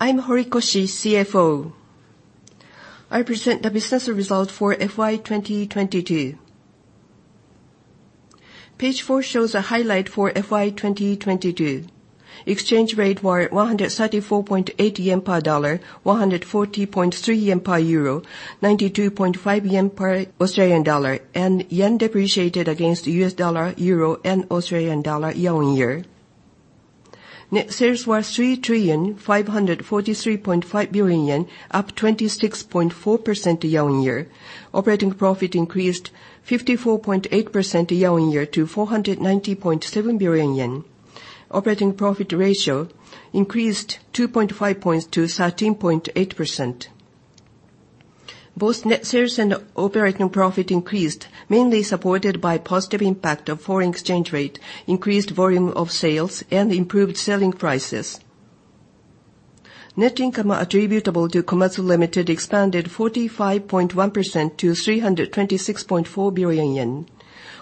I'm Horikoshi, CFO. I present the business result for FY 2022. Page four shows a highlight for FY 2022. Exchange rate were 134.8 yen per dollar, 140.3 yen per euro, 92.5 yen per Australian dollar. Yen depreciated against the U.S. dollar, euro, and Australian dollar year-on-year. Net sales was JPY 3,543.5 billion, up 26.4% year-on-year. Operating profit increased 54.8% year-on-year to 490.7 billion yen. Operating profit ratio increased 2.5 points to 13.8%. Both net sales and operating profit increased, mainly supported by positive impact of foreign exchange rate, increased volume of sales, and improved selling prices. Net income attributable to Komatsu Ltd. expanded 45.1% to 326.4 billion yen.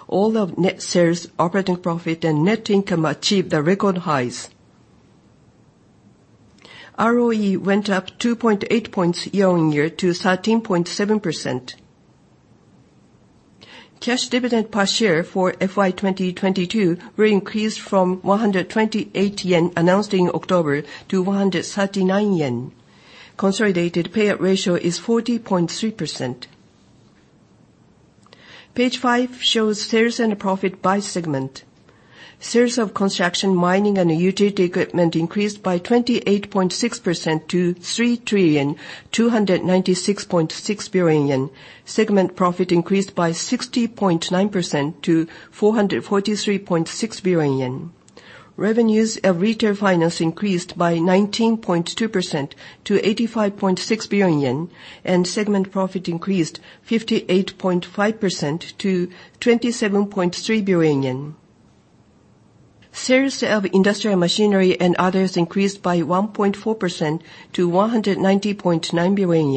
All of net sales, operating profit, and net income achieved the record highs. ROE went up 2.8 points year-on-year to 13.7%. Cash dividend per share for FY 2022 will increase from 128 yen announced in October to 139 yen. Consolidated payout ratio is 40.3%. Page five shows sales and profit by segment. Sales of construction, mining, and utility equipment increased by 28.6% to 3,296.6 billion. Segment profit increased by 60.9% to 443.6 billion. Revenues of retail finance increased by 19.2% to 85.6 billion yen, and segment profit increased 58.5% to 27.3 billion yen. Sales of industrial machinery and others increased by 1.4% to 190.9 billion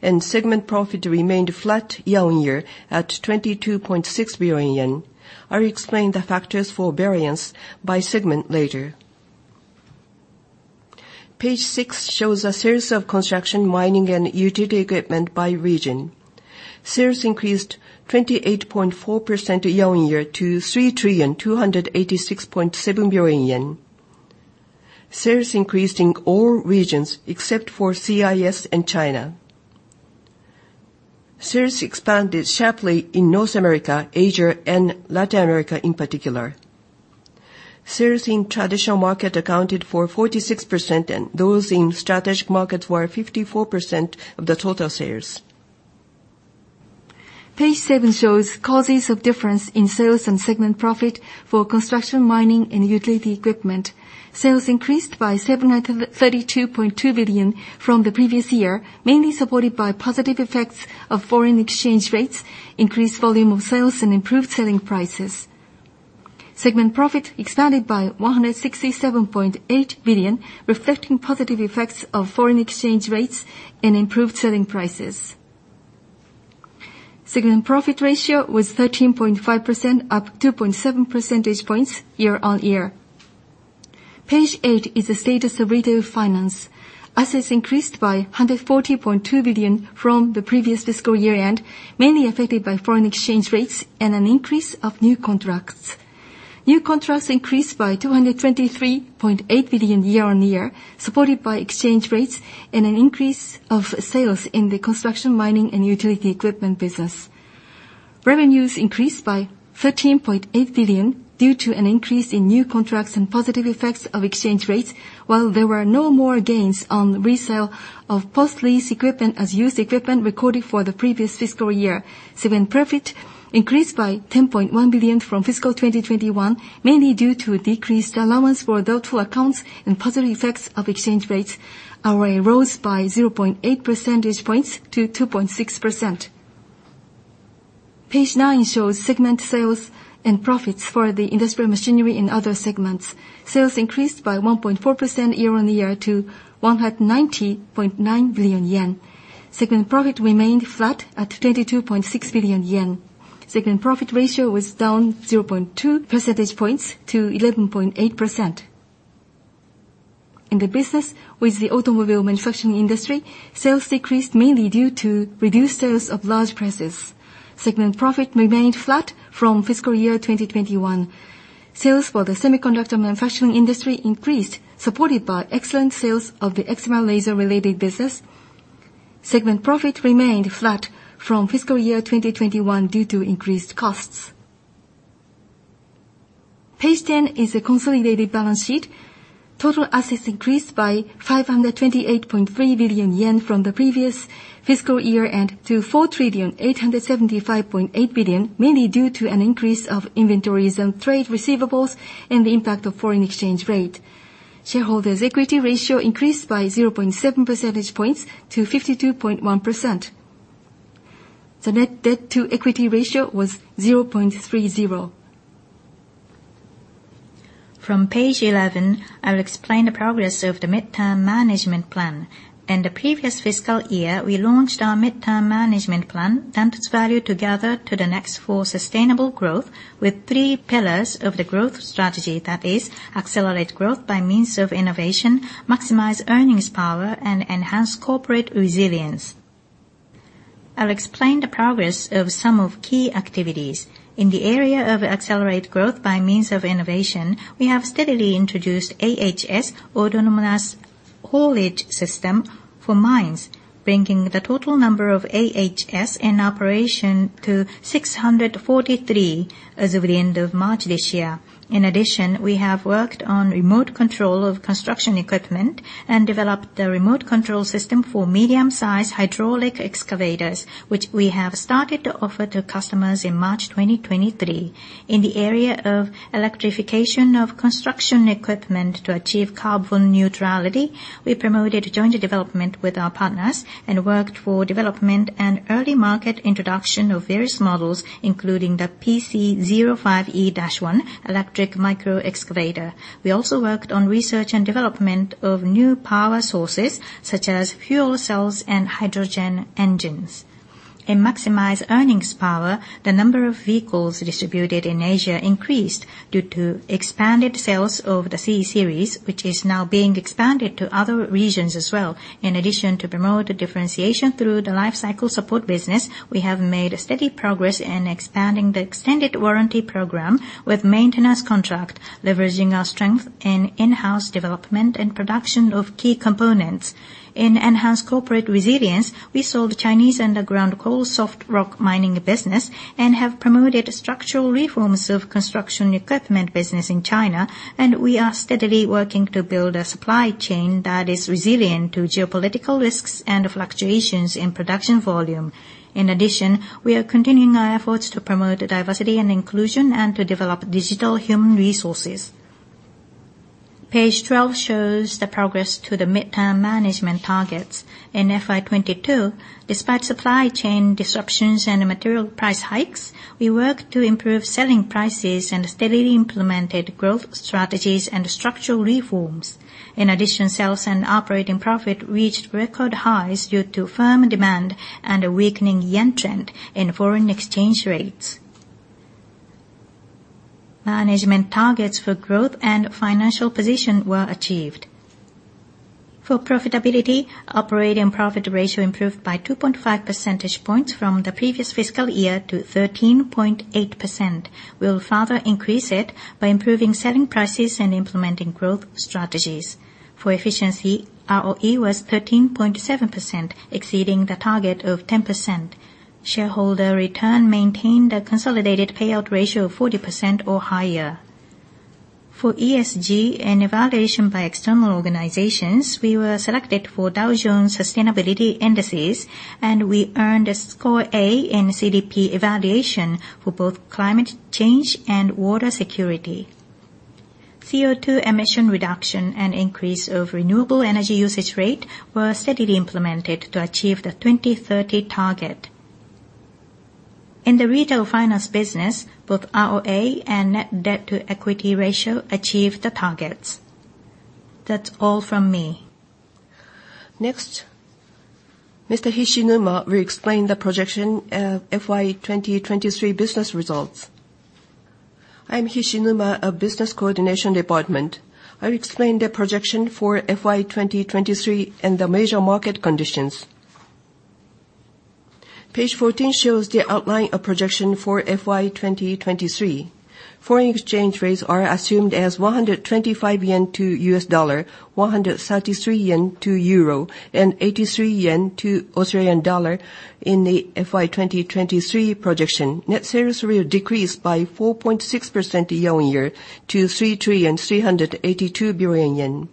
yen. Segment profit remained flat year-on-year at 22.6 billion yen. I'll explain the factors for variance by segment later. Page six shows the sales of construction, mining, and utility equipment by region. Sales increased 28.4% year-on-year to 3,286.7 billion yen. Sales increased in all regions except for CIS and China. Sales expanded sharply in North America, Asia, and Latin America in particular. Sales in traditional market accounted for 46%. Those in strategic markets were 54% of the total sales. Page seven shows causes of difference in sales and segment profit for construction, mining, and utility equipment. Sales increased by 732.2 billion from the previous year, mainly supported by positive effects of foreign exchange rates, increased volume of sales, and improved selling prices. Segment profit expanded by 167.8 billion, reflecting positive effects of foreign exchange rates and improved selling prices. Segment profit ratio was 13.5%, up 2.7 percentage points year-on-year. Page eight is the status of retail finance. Assets increased by 140.2 billion from the previous fiscal year-end, mainly affected by foreign exchange rates and an increase of new contracts. New contracts increased by 223.8 billion year-on-year, supported by exchange rates and an increase of sales in the construction, mining, and utility equipment business. Revenues increased by 13.8 billion due to an increase in new contracts and positive effects of exchange rates, while there were no more gains on resale of post-lease equipment as used equipment recorded for the previous fiscal year. Segment profit increased by 10.1 billion from fiscal 2021, mainly due to decreased allowance for doubt to accounts and positive effects of exchange rates. ROE rose by 0.8 percentage points to 2.6%. Page nine shows segment sales and profits for the industrial machinery in other segments. Sales increased by 1.4% year-on-year to 190.9 billion yen. Segment profit remained flat at 22.6 billion yen. Segment profit ratio was down 0.2 percentage points to 11.8%. In the business with the automobile manufacturing industry, sales decreased mainly due to reduced sales of large presses. Segment profit remained flat from fiscal year 2021. Sales for the semiconductor manufacturing industry increased, supported by excellent sales of the excimer laser related business. Segment profit remained flat from fiscal year 2021 due to increased costs. Page 10 is a consolidated balance sheet. Total assets increased by 528.3 billion yen from the previous fiscal year and to 4,875.8 billion, mainly due to an increase of inventories and trade receivables and the impact of foreign exchange rate. Shareholders' equity ratio increased by 0.7 percentage points to 52.1%. The net debt-to-equity ratio was 0.30. From page 11, I will explain the progress of the mid-term management plan. In the previous fiscal year, we launched our mid-term management plan, "DANTOTSU Value – Together to The Next Stage – for Sustainable Growth" with three pillars of the growth strategy. That is accelerate growth by means of innovation, maximize earnings power, and enhance corporate resilience. I'll explain the progress of some of key activities. In the area of accelerate growth by means of innovation, we have steadily introduced AHS, Autonomous Haulage System, for mines, bringing the total number of AHS in operation to 643 as of the end of March this year. In addition, we have worked on remote control of construction equipment and developed the remote control system for medium-sized hydraulic excavators, which we have started to offer to customers in March 2023. In the area of electrification of construction equipment to achieve carbon neutrality, we promoted joint development with our partners and worked for development and early market introduction of various models, including the PC05E-1 electric micro excavator. We also worked on research and development of new power sources, such as fuel cells and hydrogen engines. In maximize earnings power, the number of vehicles distributed in Asia increased due to expanded sales of the GD series, which is now being expanded to other regions as well. In addition to promote the differentiation through the lifecycle support business, we have made steady progress in expanding the extended warranty program with maintenance contract, leveraging our strength in in-house development and production of key components. In enhanced corporate resilience, we sold Chinese underground coal soft rock mining business and have promoted structural reforms of construction equipment business in China. We are steadily working to build a supply chain that is resilient to geopolitical risks and fluctuations in production volume. In addition, we are continuing our efforts to promote diversity and inclusion and to develop digital human resources. Page 12 shows the progress to the midterm management targets. In FY22, despite supply chain disruptions and material price hikes, we worked to improve selling prices and steadily implemented growth strategies and structural reforms. Sales and operating profit reached record highs due to firm demand and a weakening yen trend in foreign exchange rates. Management targets for growth and financial position were achieved. For profitability, operating profit ratio improved by 2.5 percentage points from the previous fiscal year to 13.8%. We will further increase it by improving selling prices and implementing growth strategies. For efficiency, ROE was 13.7%, exceeding the target of 10%. Shareholder return maintained a consolidated payout ratio of 40% or higher. For ESG and evaluation by external organizations, we were selected for Dow Jones Sustainability Indices, and we earned a score A in CDP evaluation for both climate change and water security. CO2 emission reduction and increase of renewable energy usage rate were steadily implemented to achieve the 2030 target. In the retail finance business, both ROA and net debt to equity ratio achieved the targets. That's all from me. Next, Mr. Hishinuma will explain the projection, FY2023 business results. I'm Hishinuma of Business Coordination Department. I'll explain the projection for FY2023 and the major market conditions. Page 14 shows the outline of projection for FY2023. Foreign exchange rates are assumed as 125 yen to USD, JPY 133 to EUR, and JPY 83 to AUD in the FY2023 projection. Net sales will decrease by 4.6% year-on-year to 3,382 billion yen.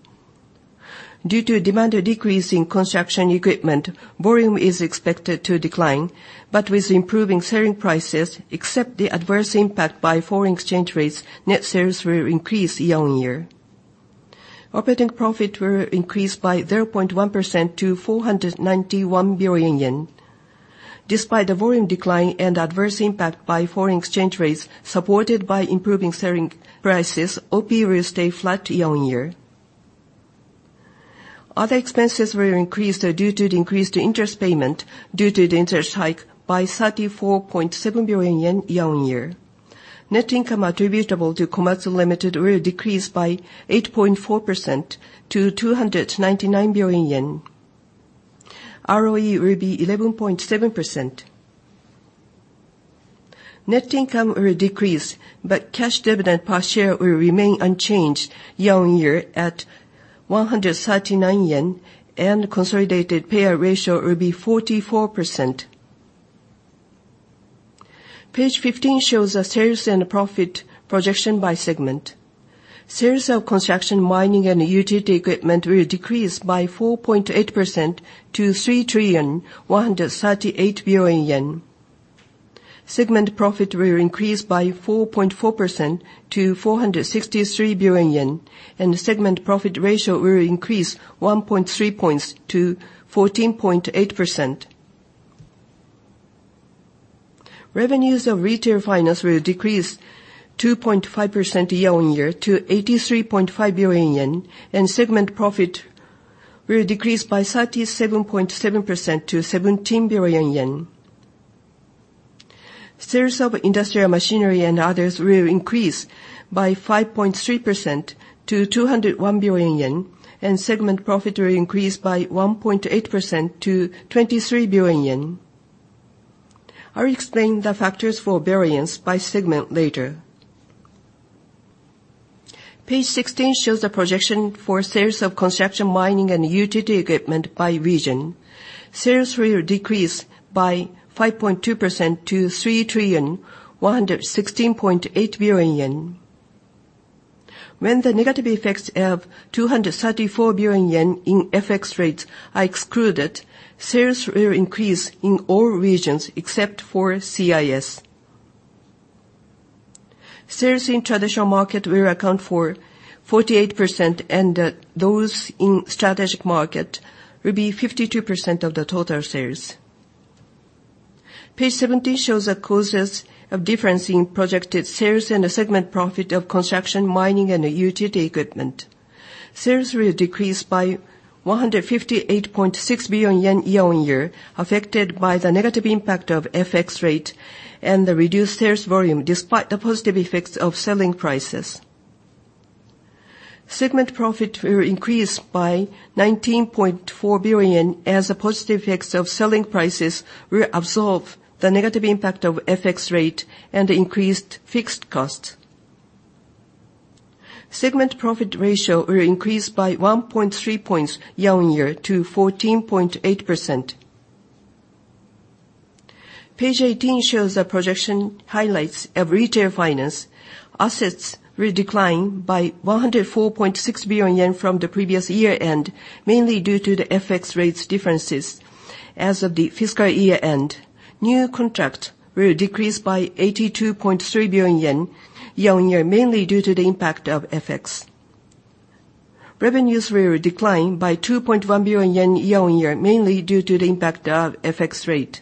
Due to demand decrease in construction equipment, volume is expected to decline. With improving selling prices, except the adverse impact by foreign exchange rates, net sales will increase year-on-year. Operating profit will increase by 0.1% to 491 billion yen. Despite the volume decline and adverse impact by foreign exchange rates, supported by improving selling prices, OP will stay flat year-on-year. Other expenses will increase due to the increase to interest payment due to the interest hike by 34.7 billion yen year-on-year. Net income attributable to Komatsu Ltd. will decrease by 8.4% to 299 billion yen. ROE will be 11.7%. Net income will decrease, but cash dividend per share will remain unchanged year-on-year at 139 yen, and consolidated payout ratio will be 44%. Page 15 shows the sales and profit projection by segment. Sales of construction, mining, and utility equipment will decrease by 4.8% to 3,138 billion yen. Segment profit will increase by 4.4% to 463 billion yen, and the segment profit ratio will increase 1.3 points to 14.8%. Revenues of retail finance will decrease 2.5% year-on-year to 83.5 billion yen. Segment profit will decrease by 37.7% to 17 billion yen. Sales of industrial machinery and others will increase by 5.3% to 201 billion yen. Segment profit will increase by 1.8% to 23 billion yen. I'll explain the factors for variance by segment later. Page 16 shows the projection for sales of construction, mining, and utility equipment by region. Sales will decrease by 5.2% to 3,116.8 billion yen. When the negative effects of 234 billion yen in FX rates are excluded, sales will increase in all regions except for CIS. Sales in traditional market will account for 48%. Those in strategic market will be 52% of the total sales. Page 17 shows the causes of difference in projected sales and the segment profit of construction, mining, and utility equipment. Sales will decrease by 158.6 billion yen year-on-year, affected by the negative impact of FX rate and the reduced sales volume, despite the positive effects of selling prices. Segment profit will increase by 19.4 billion, as the positive effects of selling prices will absorb the negative impact of FX rate and increased fixed costs. Segment profit ratio will increase by 1.3 points year-on-year to 14.8%. Page 18 shows the projection highlights of retail finance. Assets will decline by 104.6 billion yen from the previous year-end, mainly due to the FX rates differences as of the fiscal year-end. New contract will decrease by 82.3 billion yen year-on-year, mainly due to the impact of FX. Revenues will decline by 2.1 billion yen year-on-year, mainly due to the impact of FX rate.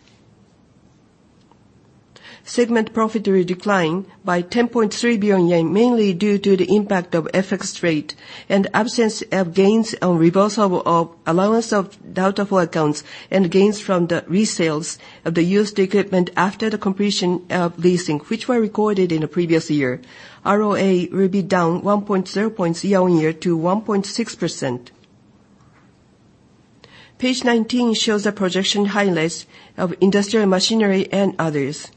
Segment profit will decline by 10.3 billion yen, mainly due to the impact of FX rate and absence of gains on reversal of allowance of doubtful accounts and gains from the resales of the used equipment after the completion of leasing, which were recorded in the previous year. ROA will be down 1.0 points year-on-year to 1.6%. Page 19 shows a projection highlights of industrial machinery and others.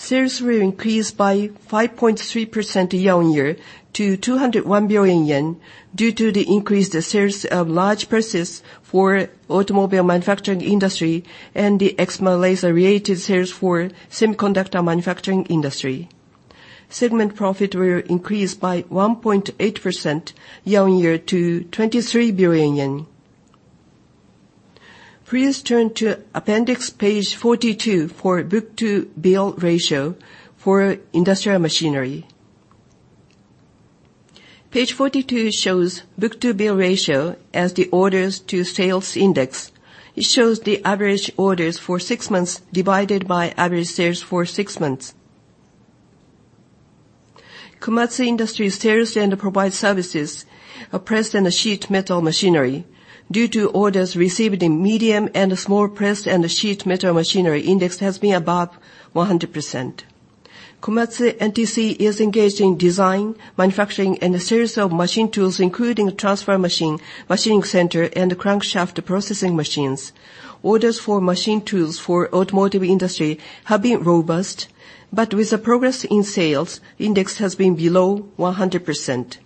Sales will increase by 5.3% year-on-year to 201 billion yen due to the increased sales of large presses for automobile manufacturing industry and the excimer laser-related sales for semiconductor manufacturing industry. Segment profit will increase by 1.8% year-on-year to 23 billion yen. Please turn to appendix page 42 for book-to-bill ratio for industrial machinery. Page 42 shows book-to-bill ratio as the orders to sales index. It shows the average orders for six months divided by average sales for six months. Komatsu Industries sales and provide services are pressed and sheet metal machinery. Due to orders received in medium and small pressed and the sheet metal machinery, index has been above 100%. Komatsu NTC is engaged in design, manufacturing, and the series of machine tools, including Transfer Machines, Machining Centers, and the Crankshaft Milling Machines. Orders for machine tools for automotive industry have been robust, but with the progress in sales, index has been below 100%.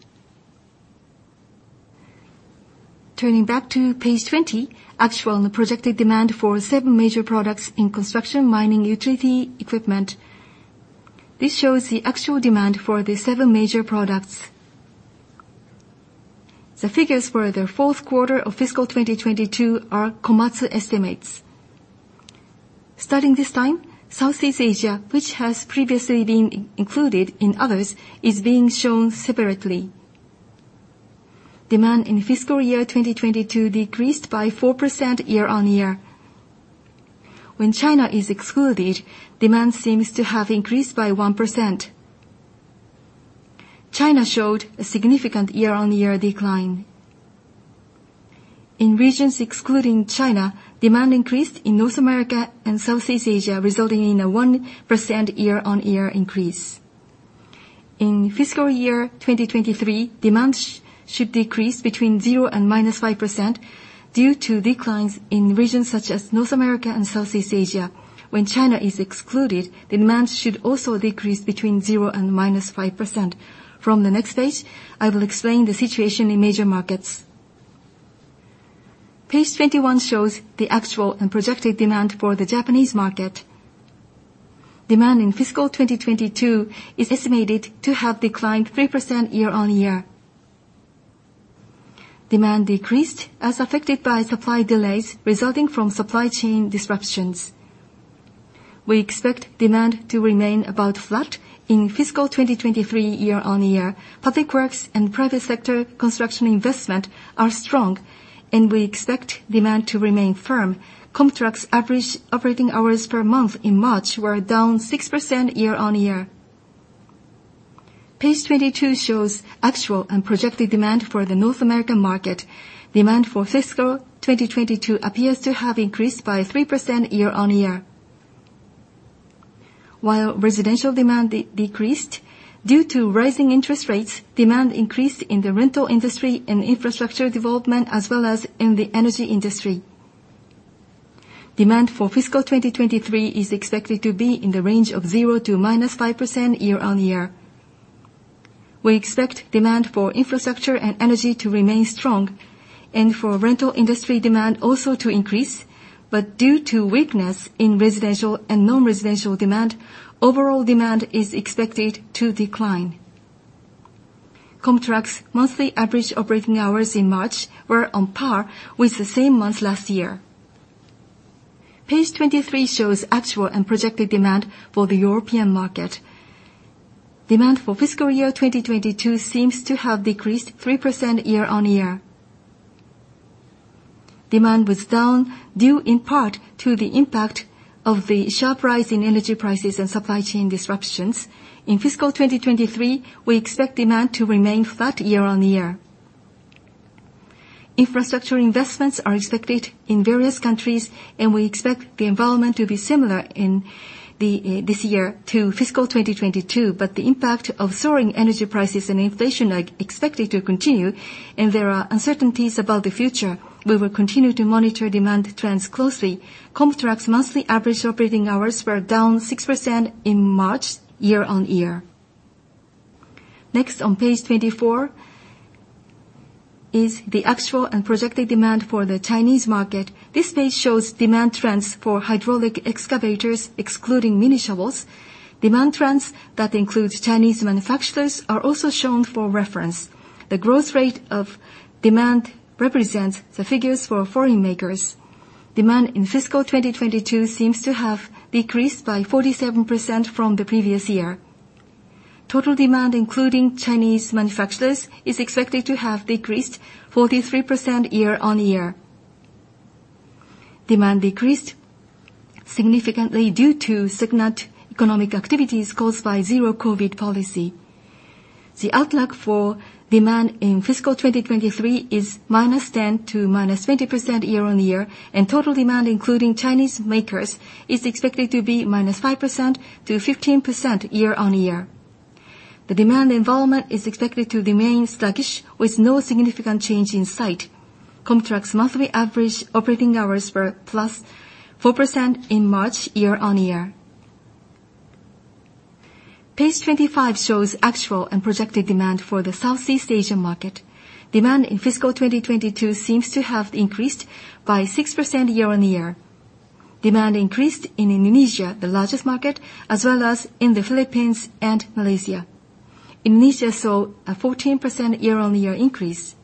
Turning back to page 20, actual and projected demand for seven major products in construction, mining, utility equipment. This shows the actual demand for the seven major products. The figures for the fourth quarter of fiscal 2022 are Komatsu estimates. Starting this time, Southeast Asia, which has previously been included in others, is being shown separately. Demand in fiscal year 2022 decreased by 4% year-on-year. When China is excluded, demand seems to have increased by 1%. China showed a significant year-on-year decline. In regions excluding China, demand increased in North America and Southeast Asia, resulting in a 1% year-on-year increase. In fiscal year 2023, demand should decrease between 0% and -5% due to declines in regions such as North America and Southeast Asia. When China is excluded, the demand should also decrease between 0% and -5%. From the next page, I will explain the situation in major markets. Page 21 shows the actual and projected demand for the Japanese market. Demand in fiscal 2022 is estimated to have declined 3% year-on-year. Demand decreased as affected by supply delays resulting from supply chain disruptions. We expect demand to remain about flat in fiscal 2023 year-on-year. Public works and private sector construction investment are strong, and we expect demand to remain firm. KOMTRAX's average operating hours per month in March were down 6% year-on-year. Page 22 shows actual and projected demand for the North American market. Demand for fiscal 2022 appears to have increased by 3% year-on-year. While residential demand decreased due to rising interest rates, demand increased in the rental industry and infrastructure development, as well as in the energy industry. Demand for fiscal 2023 is expected to be in the range of 0% to -5% year-on-year. We expect demand for infrastructure and energy to remain strong and for rental industry demand also to increase. Due to weakness in residential and non-residential demand, overall demand is expected to decline. KOMTRAX monthly average operating hours in March were on par with the same month last year. Page 23 shows actual and projected demand for the European market. Demand for fiscal year 2022 seems to have decreased 3% year-on-year. Demand was down due in part to the impact of the sharp rise in energy prices and supply chain disruptions. In fiscal 2023, we expect demand to remain flat year-on-year. Infrastructure investments are expected in various countries, and we expect the environment to be similar in this year to fiscal 2022. The impact of soaring energy prices and inflation are expected to continue, and there are uncertainties about the future. We will continue to monitor demand trends closely. KOMTRAX monthly average operating hours were down 6% in March year-on-year. Next, on page 24 is the actual and projected demand for the Chinese market. This page shows demand trends for hydraulic excavators excluding mini excavators. Demand trends that include Chinese manufacturers are also shown for reference. The growth rate of demand represents the figures for foreign makers. Demand in fiscal 2022 seems to have decreased by 47% from the previous year. Total demand, including Chinese manufacturers, is expected to have decreased 43% year-on-year. Demand decreased significantly due to stagnant economic activities caused by zero-COVID policy. The outlook for demand in fiscal 2023 is -10% to -20% year-on-year. Total demand, including Chinese makers, is expected to be -5% to 15% year-on-year. The demand environment is expected to remain sluggish with no significant change in sight. KOMTRAX monthly average operating hours were +4% in March year-on-year. Page 25 shows actual and projected demand for the Southeast Asian market. Demand in fiscal 2022 seems to have increased by 6% year-on-year. Demand increased in Indonesia, the largest market, as well as in the Philippines and Malaysia. Indonesia saw a 14% year-on-year increase.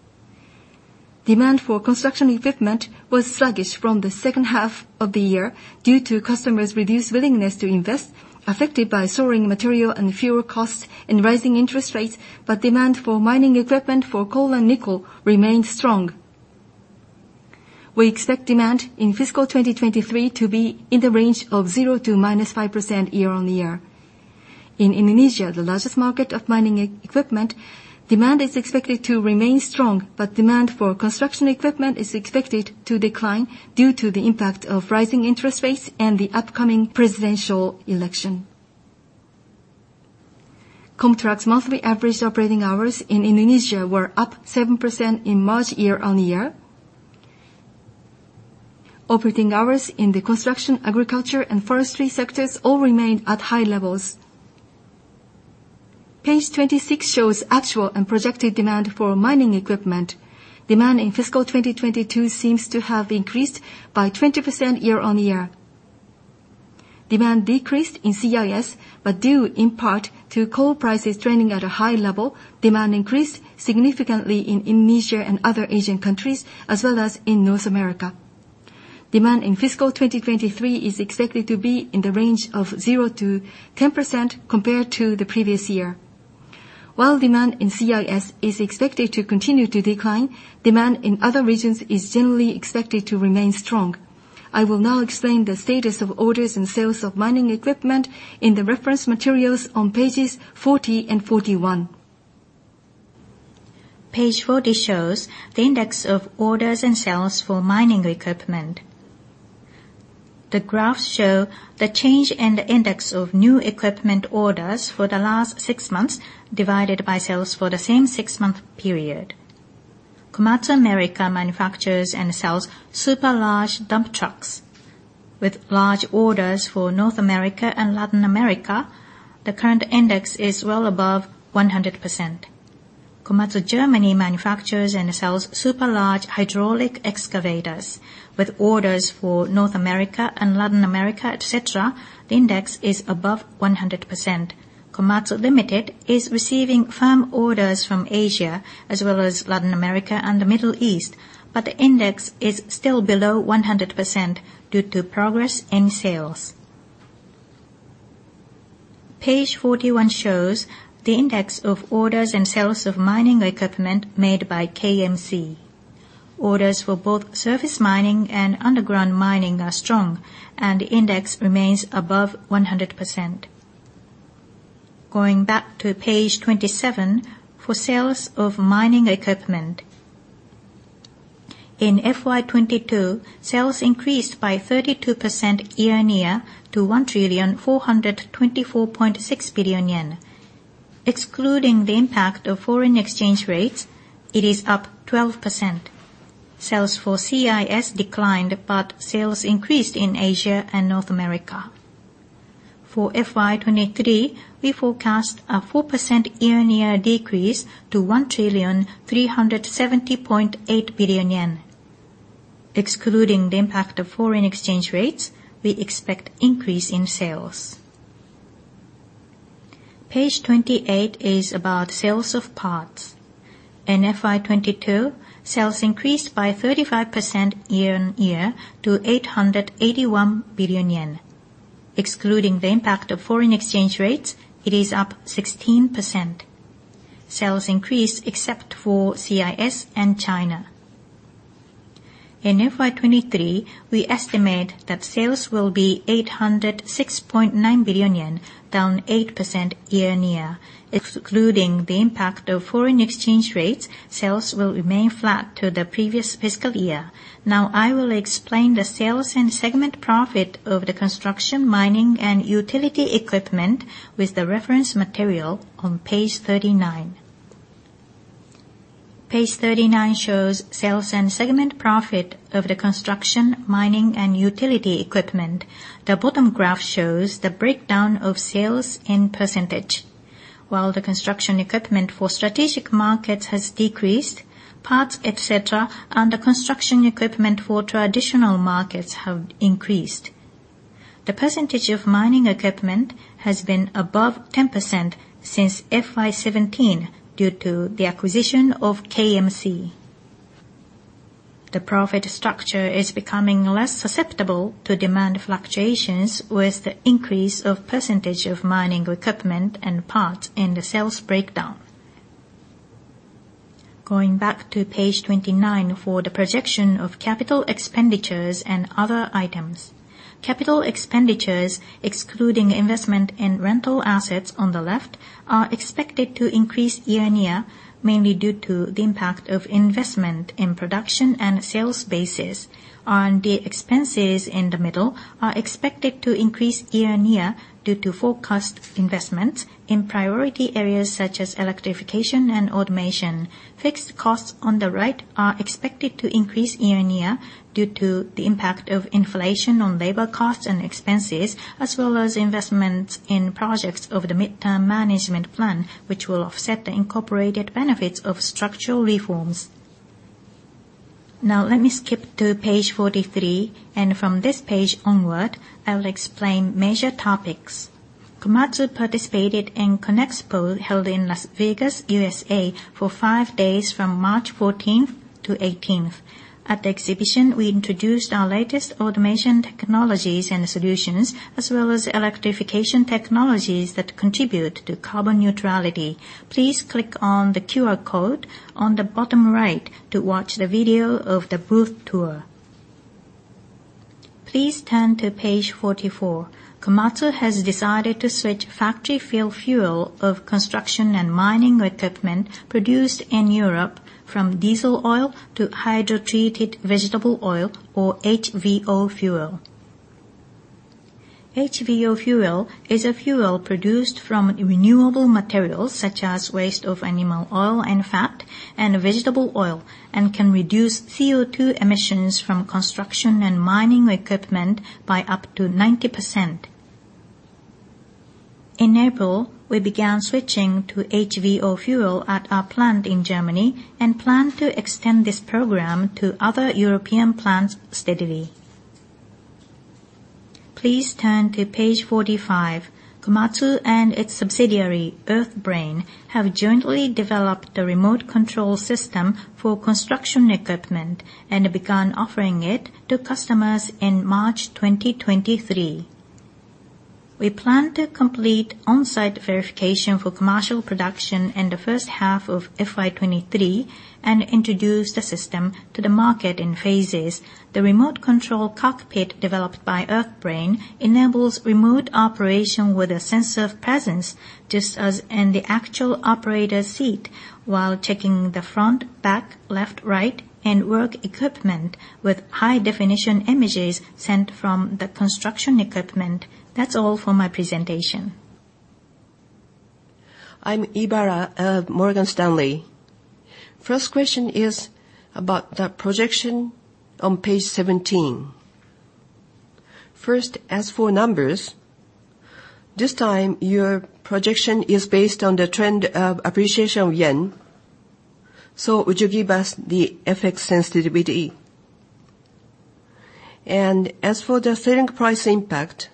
Demand for construction equipment was sluggish from the second half of the year due to customers' reduced willingness to invest, affected by soaring material and fuel costs and rising interest rates. Demand for mining equipment for coal and nickel remained strong. We expect demand in fiscal 2023 to be in the range of 0% to -5% year-on-year. In Indonesia, the largest market of mining equipment, demand is expected to remain strong, but demand for construction equipment is expected to decline due to the impact of rising interest rates and the upcoming presidential election. KOMTRAX monthly average operating hours in Indonesia were up 7% in March year-on-year. Operating hours in the construction, agriculture, and forestry sectors all remained at high levels. Page 26 shows actual and projected demand for mining equipment. Demand in fiscal 2022 seems to have increased by 20% year-on-year. Demand decreased in CIS, but due in part to coal prices trending at a high level, demand increased significantly in Indonesia and other Asian countries, as well as in North America. Demand in fiscal 2023 is expected to be in the range of 0%-10% compared to the previous year. While demand in CIS is expected to continue to decline, demand in other regions is generally expected to remain strong. I will now explain the status of orders and sales of mining equipment in the reference materials on pages 40 and 41. Page 40 shows the index of orders and sales for mining equipment. The graphs show the change in the index of new equipment orders for the last six months, divided by sales for the same six-month period. Komatsu America manufactures and sells super large dump trucks. With large orders for North America and Latin America, the current index is well above 100%. Komatsu Germany manufactures and sells super large hydraulic excavators. With orders for North America and Latin America, et cetera, the index is above 100%. Komatsu Ltd. is receiving firm orders from Asia, as well as Latin America and the Middle East, but the index is still below 100% due to progress in sales. Page 41 shows the index of orders and sales of mining equipment made by KMC. Orders for both surface mining and underground mining are strong, and index remains above 100%. Going back to page 27 for sales of mining equipment. In FY2022, sales increased by 32% year-on-year to 1,424.6 billion yen. Excluding the impact of foreign exchange rates, it is up 12%. Sales for CIS declined, sales increased in Asia and North America. For FY2023, we forecast a 4% year-on-year decrease to 1,370.8 billion yen. Excluding the impact of foreign exchange rates, we expect increase in sales. Page 28 is about sales of parts. In FY2022, sales increased by 35% year-on-year to 881 billion yen. Excluding the impact of foreign exchange rates, it is up 16%. Sales increased except for CIS and China. In FY2023, we estimate that sales will be 806.9 billion yen, down 8% year-on-year. Excluding the impact of foreign exchange rates, sales will remain flat to the previous fiscal year. I will explain the sales and segment profit of the construction, mining, and utility equipment with the reference material on page 39. Page 39 shows sales and segment profit of the construction, mining, and utility equipment. The bottom graph shows the breakdown of sales in %. While the construction equipment for strategic markets has decreased, parts, et cetera, and the construction equipment for traditional markets have increased. The % of mining equipment has been above 10% since FY17 due to the acquisition of KMC. The profit structure is becoming less susceptible to demand fluctuations with the increase of % of mining equipment and parts in the sales breakdown. Going back to page 29 for the projection of capital expenditures and other items. Capital expenditures excluding investment in rental assets on the left are expected to increase year-on-year, mainly due to the impact of investment in production and sales bases. R&D expenses in the middle are expected to increase year-on-year due to forecast investments in priority areas such as electrification and automation. Fixed costs on the right are expected to increase year-on-year due to the impact of inflation on labor costs and expenses, as well as investments in projects over the midterm management plan, which will offset the incorporated benefits of structural reforms. Let me skip to page 43, and from this page onward, I will explain major topics. Komatsu participated in Conexpo, held in Las Vegas, USA for five days from March 14th-18th. At the exhibition, we introduced our latest automation technologies and solutions, as well as electrification technologies that contribute to carbon neutrality. Please click on the QR code on the bottom right to watch the video of the booth tour. Please turn to page 44. Komatsu has decided to switch factory fill fuel of construction and mining equipment produced in Europe from diesel oil to hydrotreated vegetable oil, or HVO fuel. HVO fuel is a fuel produced from renewable materials such as waste of animal oil and fat and vegetable oil, and can reduce CO2 emissions from construction and mining equipment by up to 90%. In April, we began switching to HVO fuel at our plant in Germany and plan to extend this program to other European plants steadily. Please turn to page 45. Komatsu and its subsidiary, EARTHBRAIN, have jointly developed a remote control system for construction equipment and began offering it to customers in March 2023. We plan to complete on-site verification for commercial production in the first half of FY23 and introduce the system to the market in phases. The remote control cockpit developed by EARTHBRAIN enables remote operation with a sense of presence, just as in the actual operator seat, while checking the front, back, left, right, and work equipment with high-definition images sent from the construction equipment. That's all for my presentation. I'm Ibara of Morgan Stanley. Question is about the projection on page 17. As for numbers, this time your projection is based on the trend of appreciation of yen. Would you give us the FX sensitivity? As for the selling price impact,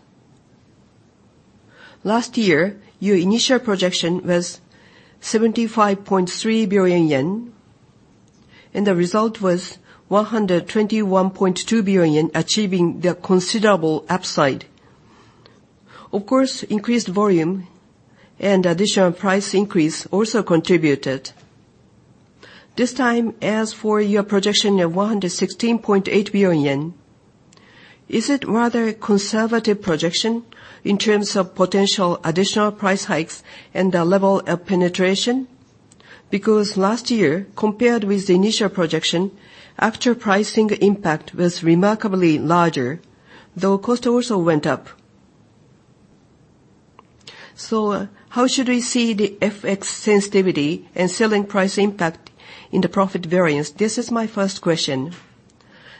last year, your initial projection was 75.3 billion yen, and the result was 121.2 billion yen, achieving the considerable upside. Of course, increased volume and additional price increase also contributed. This time, as for your projection of 116.8 billion yen, is it rather conservative projection in terms of potential additional price hikes and the level of penetration? Last year, compared with the initial projection, after pricing impact was remarkably larger, though cost also went up. How should we see the FX sensitivity and selling price impact in the profit variance? This is my first question.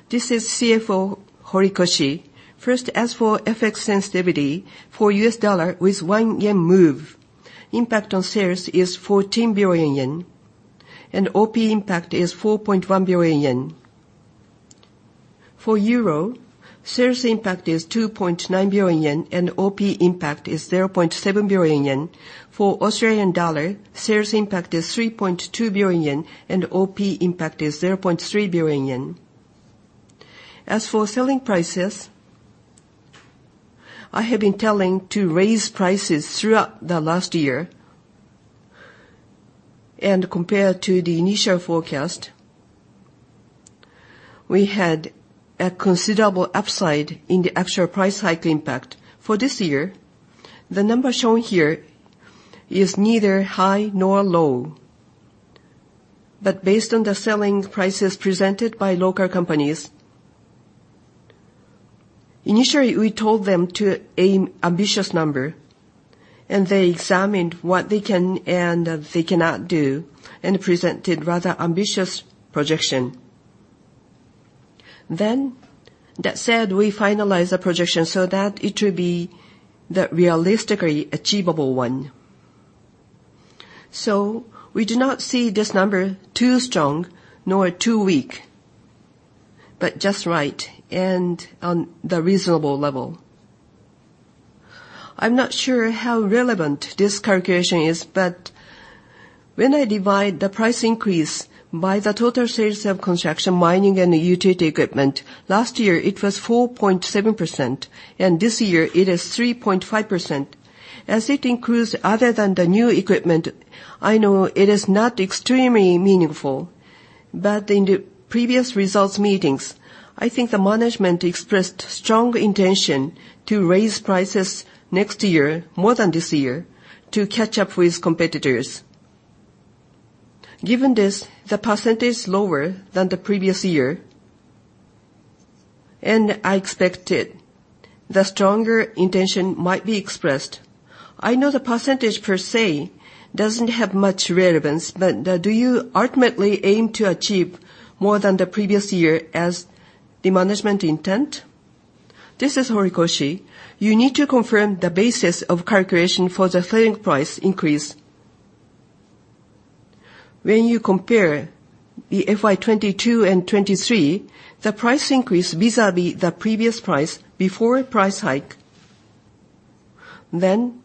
This is CFO Horikoshi. First, as for FX sensitivity, for U.S. dollar with one yen move, impact on sales is 14 billion yen, and OP impact is 4.1 billion yen. For euro, sales impact is 2.9 billion yen, and OP impact is 0.7 billion yen. For Australian dollar, sales impact is 3.2 billion yen, and OP impact is 0.3 billion yen. As for selling prices, I have been telling to raise prices throughout the last year. Compared to the initial forecast, we had a considerable upside in the actual price hike impact. For this year, the number shown here is neither high nor low. Based on the selling prices presented by local companies, initially, we told them to aim ambitious number, and they examined what they can and they cannot do, and presented rather ambitious projection. That said, we finalized the projection so that it would be the realistically achievable one. We do not see this number too strong nor too weak, but just right and on the reasonable level. I'm not sure how relevant this calculation is, but when I divide the price increase by the total sales of construction, mining, and utility equipment, last year it was 4.7%, and this year it is 3.5%. As it includes other than the new equipment, I know it is not extremely meaningful, but in the previous results meetings, I think the management expressed strong intention to raise prices next year more than this year to catch up with competitors. Given this, the percentage is lower than the previous year, and I expected the stronger intention might be expressed. I know the percentage per se doesn't have much relevance, but do you ultimately aim to achieve more than the previous year as the management intent? This is Horikoshi. You need to confirm the basis of calculation for the selling price increase. When you compare the FY 2022 and 2023, the price increase vis-à-vis the previous price before price hike, then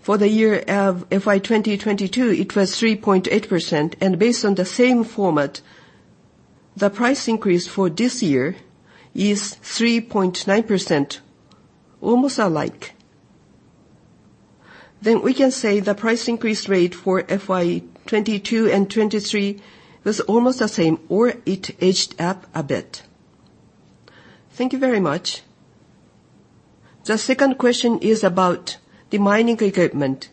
for the year of FY 2022, it was 3.8%. Based on the same format, the price increase for this year is 3.9%, almost alike. We can say the price increase rate for FY22 and 23 was almost the same or it edged up a bit. Thank you very much. The second question is about the mining equipment.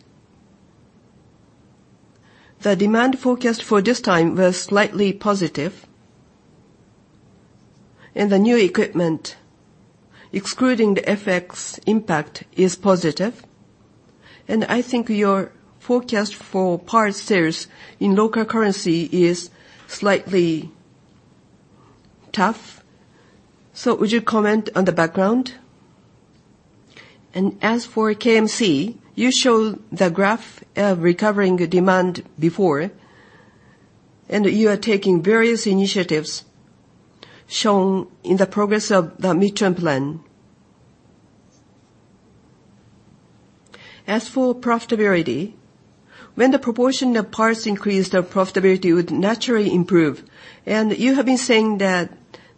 The demand forecast for this time was slightly positive. The new equipment, excluding the FX impact, is positive. I think your forecast for parts sales in local currency is slightly tough. Would you comment on the background? As for KMC, you showed the graph of recovering demand before, and you are taking various initiatives shown in the progress of the midterm plan. As for profitability, when the proportion of parts increased, the profitability would naturally improve. You have been saying that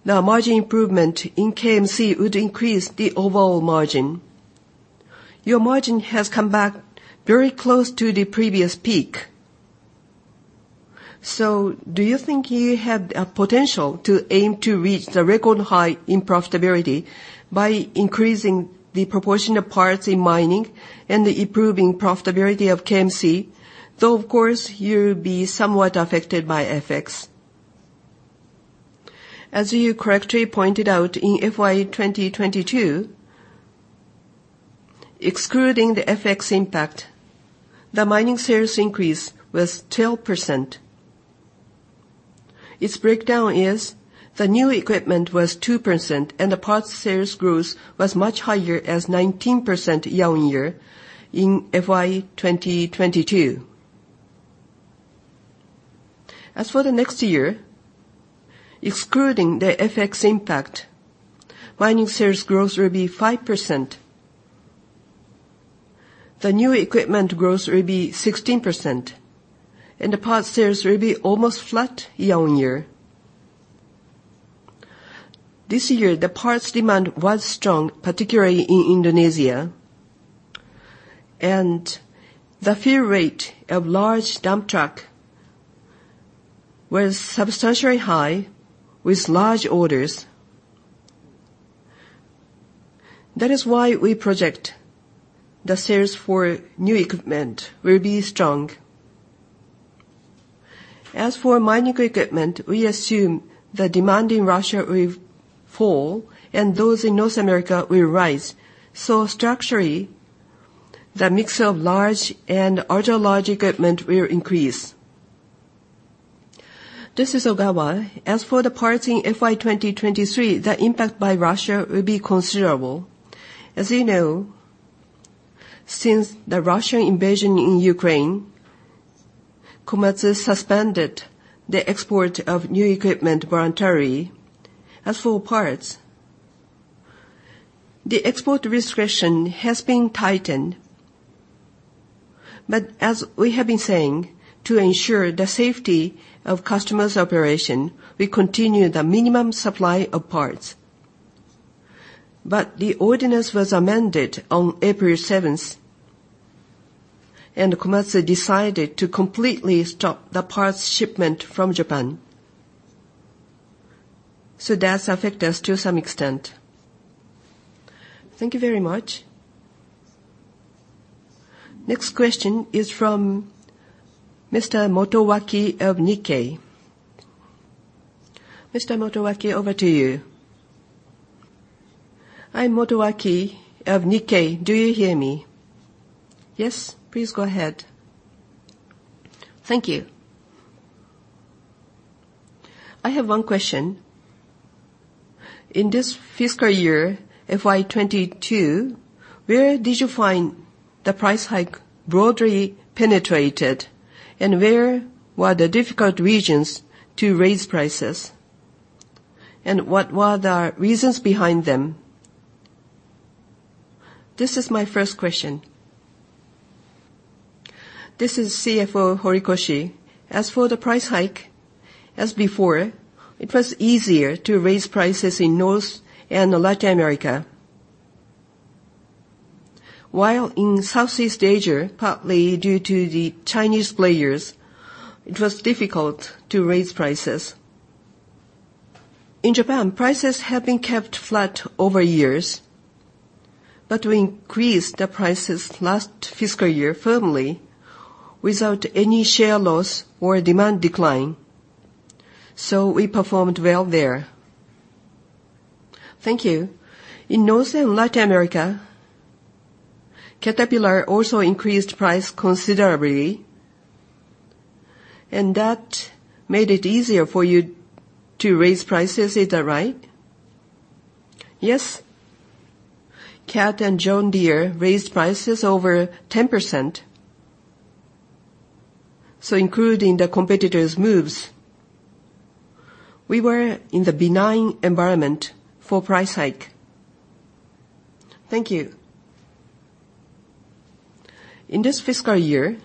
the margin improvement in KMC would increase the overall margin. Your margin has come back very close to the previous peak. Do you think you have a potential to aim to reach the record high in profitability by increasing the proportion of parts in mining and improving profitability of KMC? Though, of course, you'll be somewhat affected by FX. As you correctly pointed out, in FY 2022, excluding the FX impact, the mining sales increase was 12%. Its breakdown is the new equipment was 2%, and the parts sales growth was much higher as 19% year-on-year in FY 2022. As for the next year, excluding the FX impact, mining sales growth will be 5%. The new equipment growth will be 16%, and the parts sales will be almost flat year-on-year. This year, the parts demand was strong, particularly in Indonesia, and the fill rate of large dump truck was substantially high with large orders. That is why we project the sales for new equipment will be strong. As for mining equipment, we assume the demand in Russia will fall, and those in North America will rise. Structurally, the mix of large and ultra-large equipment will increase. This is Ogawa. As for the parts in FY 2023, the impact by Russia will be considerable. As you know, since the Russian invasion in Ukraine, Komatsu suspended the export of new equipment voluntarily. As for parts, the export restriction has been tightened. As we have been saying, to ensure the safety of customers' operation, we continue the minimum supply of parts. The ordinance was amended on April 7th, and Komatsu decided to completely stop the parts shipment from Japan. That's affect us to some extent. Thank you very much. Next question is from Mr. Motowaki of Nikkei. Mr. Motowaki, over to you. I'm Motowaki of Nikkei. Do you hear me? Yes, please go ahead. Thank you. I have one question. In this fiscal year, FY2022, where did you find the price hike broadly penetrated, and where were the difficult regions to raise prices? What were the reasons behind them? This is my first question. This is CFO Horikoshi. As for the price hike, as before, it was easier to raise prices in North and Latin America. While in Southeast Asia, partly due to the Chinese players, it was difficult to raise prices. In Japan, prices have been kept flat over years. We increased the prices last fiscal year firmly without any share loss or demand decline. We performed well there. Thank you. In North and Latin America, Caterpillar also increased price considerably. That made it easier for you to raise prices. Is that right? Yes. Cat and John Deere raised prices over 10%. Including the competitors' moves, we were in the benign environment for price hike. Thank you. In this fiscal year,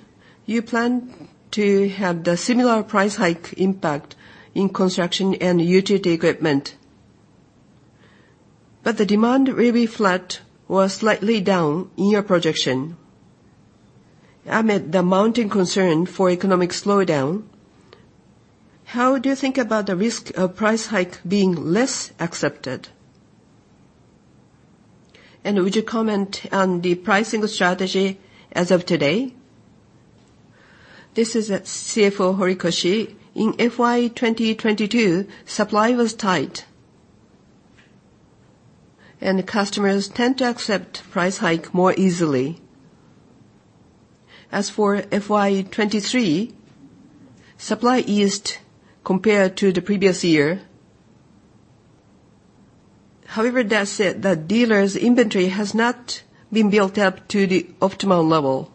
you plan to have the similar price hike impact in construction and utility equipment. The demand will be flat or slightly down in your projection. Amid the mounting concern for economic slowdown, how do you think about the risk of price hike being less accepted? Would you comment on the pricing strategy as of today? This is CFO Horikoshi. In FY 2022, supply was tight, and the customers tend to accept price hike more easily. As for FY23, supply eased compared to the previous year. However, that said, the dealers' inventory has not been built up to the optimal level.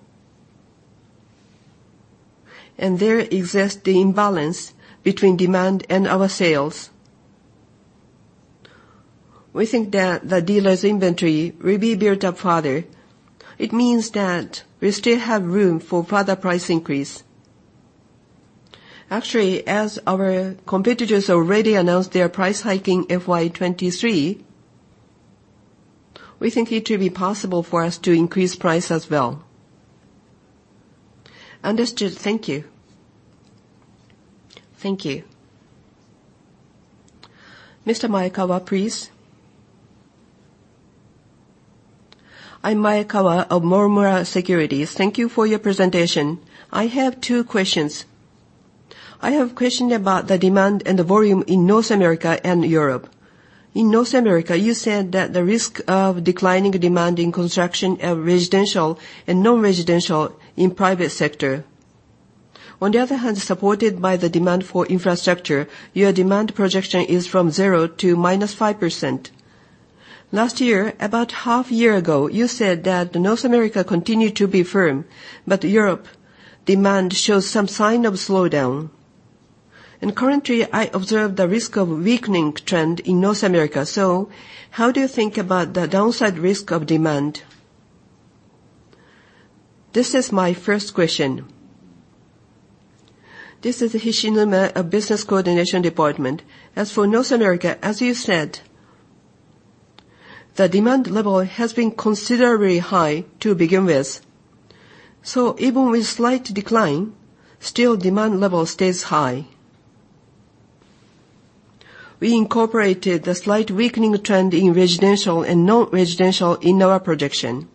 There exists the imbalance between demand and our sales. We think that the dealers' inventory will be built up further. It means that we still have room for further price increase. Actually, as our competitors already announced their price hike in FY23, we think it will be possible for us to increase price as well. Understood. Thank you. Thank you. Mr. Maekawa, please. I'm Maekawa of Nomura Securities. Thank you for your presentation. I have two questions. I have question about the demand and the volume in North America and Europe. In North America, you said that the risk of declining demand in construction of residential and non-residential in private sector. Supported by the demand for infrastructure, your demand projection is from 0% to -5%. Last year, about half year ago, you said that North America continued to be firm, but Europe demand shows some sign of slowdown. Currently, I observe the risk of weakening trend in North America. How do you think about the downside risk of demand? This is my first question. This is Hishinuma of Business Coordination Department. As for North America, as you said, the demand level has been considerably high to begin with. Even with slight decline, still demand level stays high. We incorporated the slight weakening trend in residential and non-residential in our projection.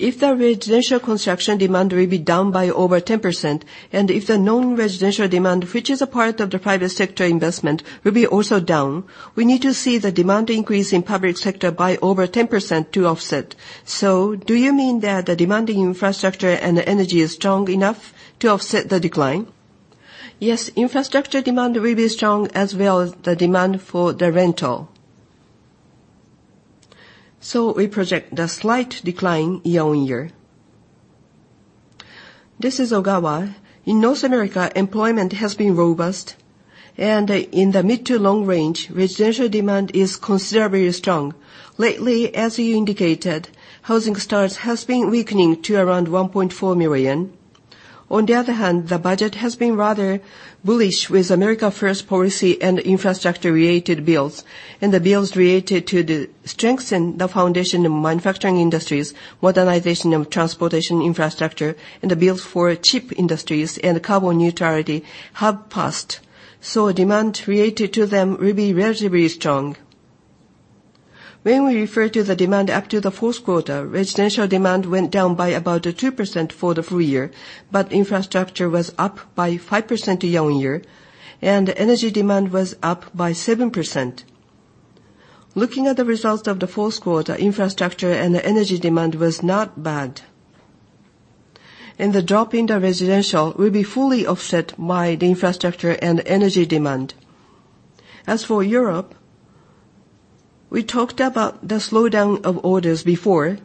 If the residential construction demand will be down by over 10%, and if the non-residential demand, which is a part of the private sector investment, will be also down, we need to see the demand increase in public sector by over 10% to offset. Do you mean that the demand in infrastructure and energy is strong enough to offset the decline? Yes. Infrastructure demand will be strong, as well as the demand for the rental. We project a slight decline year-on-year. This is Ogawa. In North America, employment has been robust. In the mid to long range, residential demand is considerably strong. Lately, as you indicated, housing starts has been weakening to around 1.4 million. The budget has been rather bullish with America First policy and infrastructure-related bills. The bills related to strengthen the foundation of manufacturing industries, modernization of transportation infrastructure, and the bills for chip industries and carbon neutrality have passed. Demand related to them will be relatively strong. When we refer to the demand up to the fourth quarter, residential demand went down by about 2% for the full year, but infrastructure was up by 5% year-on-year, and energy demand was up by 7%. Looking at the results of the fourth quarter, infrastructure and energy demand was not bad. The drop in the residential will be fully offset by the infrastructure and energy demand. As for Europe, we talked about the slowdown of orders before.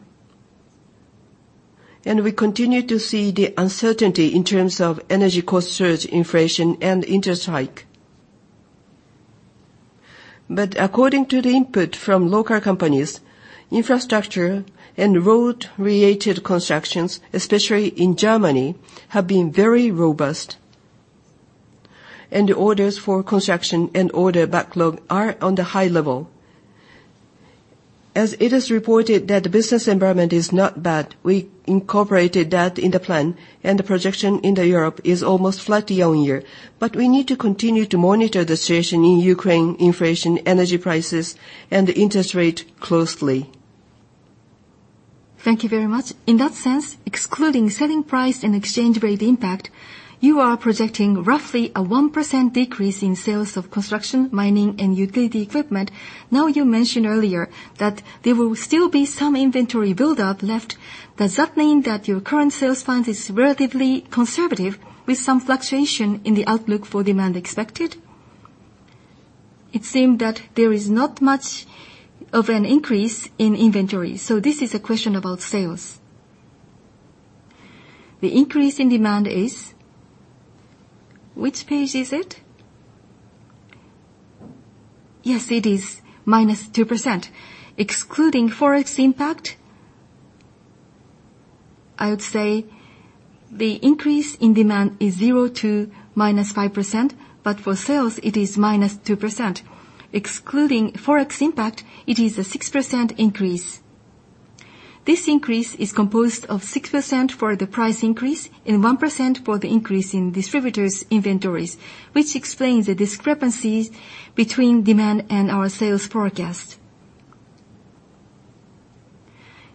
We continue to see the uncertainty in terms of energy cost surge inflation and interest hike. According to the input from local companies, infrastructure and road-related constructions, especially in Germany, have been very robust. The orders for construction and order backlog are on the high level. As it is reported that the business environment is not bad, we incorporated that in the plan. The projection in Europe is almost flat year-on-year. We need to continue to monitor the situation in Ukraine, inflation, energy prices, and interest rate closely. Thank you very much. In that sense, excluding selling price and exchange rate impact, you are projecting roughly a 1% decrease in sales of construction, mining, and utility equipment. Now, you mentioned earlier that there will still be some inventory buildup left. Does that mean that your current sales plan is relatively conservative with some fluctuation in the outlook for demand expected? It seemed that there is not much of an increase in inventory. This is a question about sales. The increase in demand is... Which page is it? Yes, it is -2%. Excluding FX impact, I would say the increase in demand is 0% to -5%, but for sales it is -2%. Excluding FX impact, it is a 6% increase. This increase is composed of 6% for the price increase and 1% for the increase in distributors' inventories, which explains the discrepancies between demand and our sales forecast.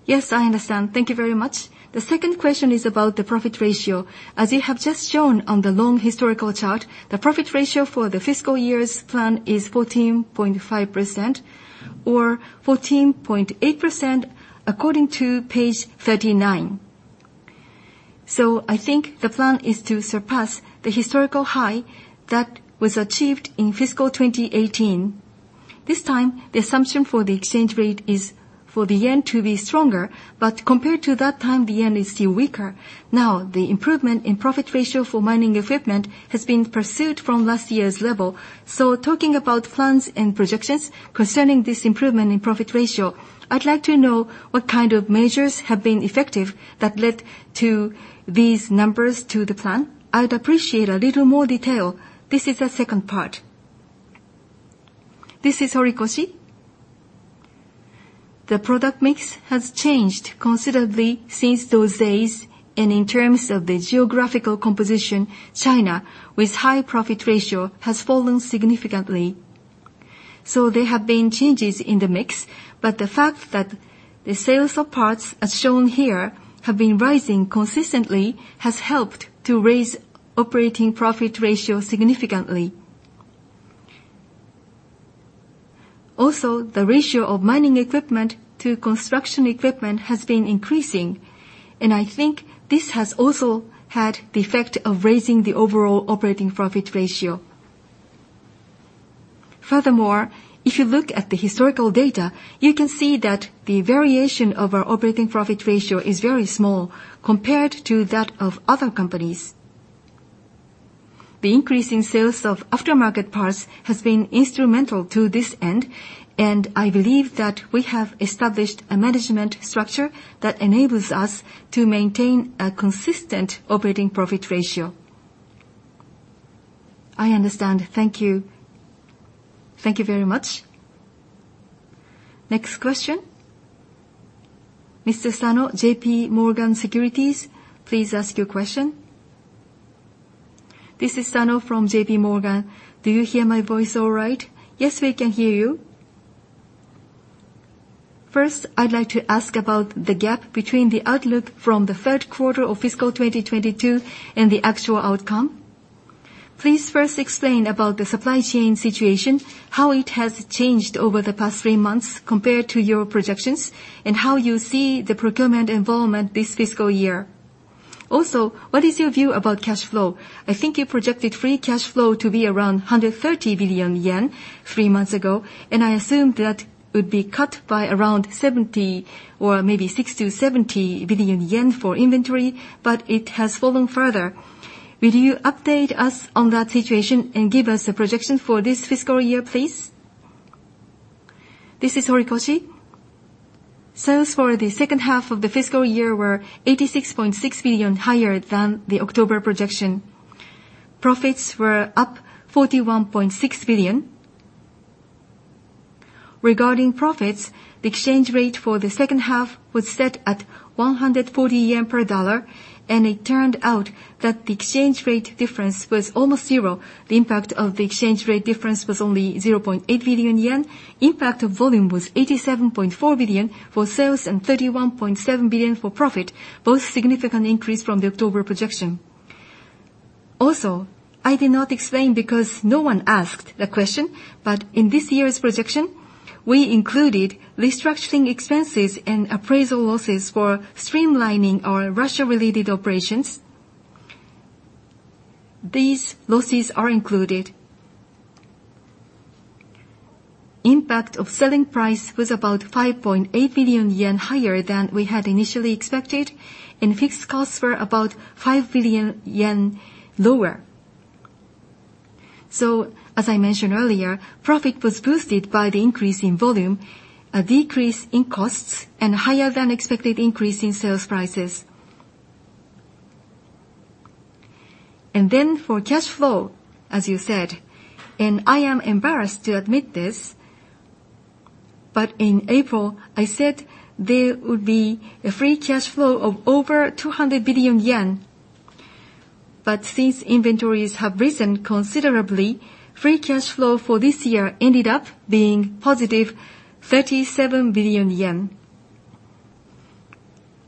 Yes, I understand. Thank you very much. The second question is about the profit ratio. As you have just shown on the long historical chart, the profit ratio for the fiscal year's plan is 14.5%, or 14.8% according to page 39. I think the plan is to surpass the historical high that was achieved in fiscal 2018. This time, the assumption for the exchange rate is for the yen to be stronger, but compared to that time, the yen is still weaker. The improvement in profit ratio for mining equipment has been pursued from last year's level. Talking about plans and projections concerning this improvement in profit ratio, I'd like to know what kind of measures have been effective that led to these numbers to the plan. I would appreciate a little more detail. This is the second part. This is Horikoshi. The product mix has changed considerably since those days, and in terms of the geographical composition, China, with high profit ratio, has fallen significantly. There have been changes in the mix, but the fact that the sales of parts, as shown here, have been rising consistently has helped to raise operating profit ratio significantly. Also, the ratio of mining equipment to construction equipment has been increasing, and I think this has also had the effect of raising the overall operating profit ratio. Furthermore, if you look at the historical data, you can see that the variation of our operating profit ratio is very small compared to that of other companies. The increase in sales of aftermarket parts has been instrumental to this end, and I believe that we have established a management structure that enables us to maintain a consistent operating profit ratio. I understand. Thank you. Thank you very much. Next question. Mr. Sano, JPMorgan Securities, please ask your question. This is Sano from JPMorgan. Do you hear my voice all right? Yes, we can hear you. First, I'd like to ask about the gap between the outlook from the third quarter of fiscal 2022 and the actual outcome. Please first explain about the supply chain situation, how it has changed over the past three months compared to your projections, and how you see the procurement involvement this fiscal year. Also, what is your view about cash flow? I think you projected free cash flow to be around 130 billion yen three months ago. I assumed that would be cut by around 70 billion or maybe 60 billion-70 billion yen for inventory. It has fallen further. Will you update us on that situation and give us a projection for this fiscal year, please? This is Horikoshi. Sales for the second half of the fiscal year were 86.6 billion higher than the October projection. Profits were up 41.6 billion. Regarding profits, the exchange rate for the second half was set at 140 yen per dollar. It turned out that the exchange rate difference was almost zero. The impact of the exchange rate difference was only 0.8 billion yen. Impact of volume was 87.4 billion for sales and 31.7 billion for profit, both significant increase from the October projection. I did not explain because no one asked the question, but in this year's projection, we included restructuring expenses and appraisal losses for streamlining our Russia-related operations. These losses are included. Impact of selling price was about 5.8 billion yen higher than we had initially expected, and fixed costs were about 5 billion yen lower. As I mentioned earlier, profit was boosted by the increase in volume, a decrease in costs, and higher than expected increase in sales prices. For cash flow, as you said, and I am embarrassed to admit this, but in April, I said there would be a free cash flow of over 200 billion yen. Since inventories have risen considerably, free cash flow for this year ended up being positive 37 billion yen.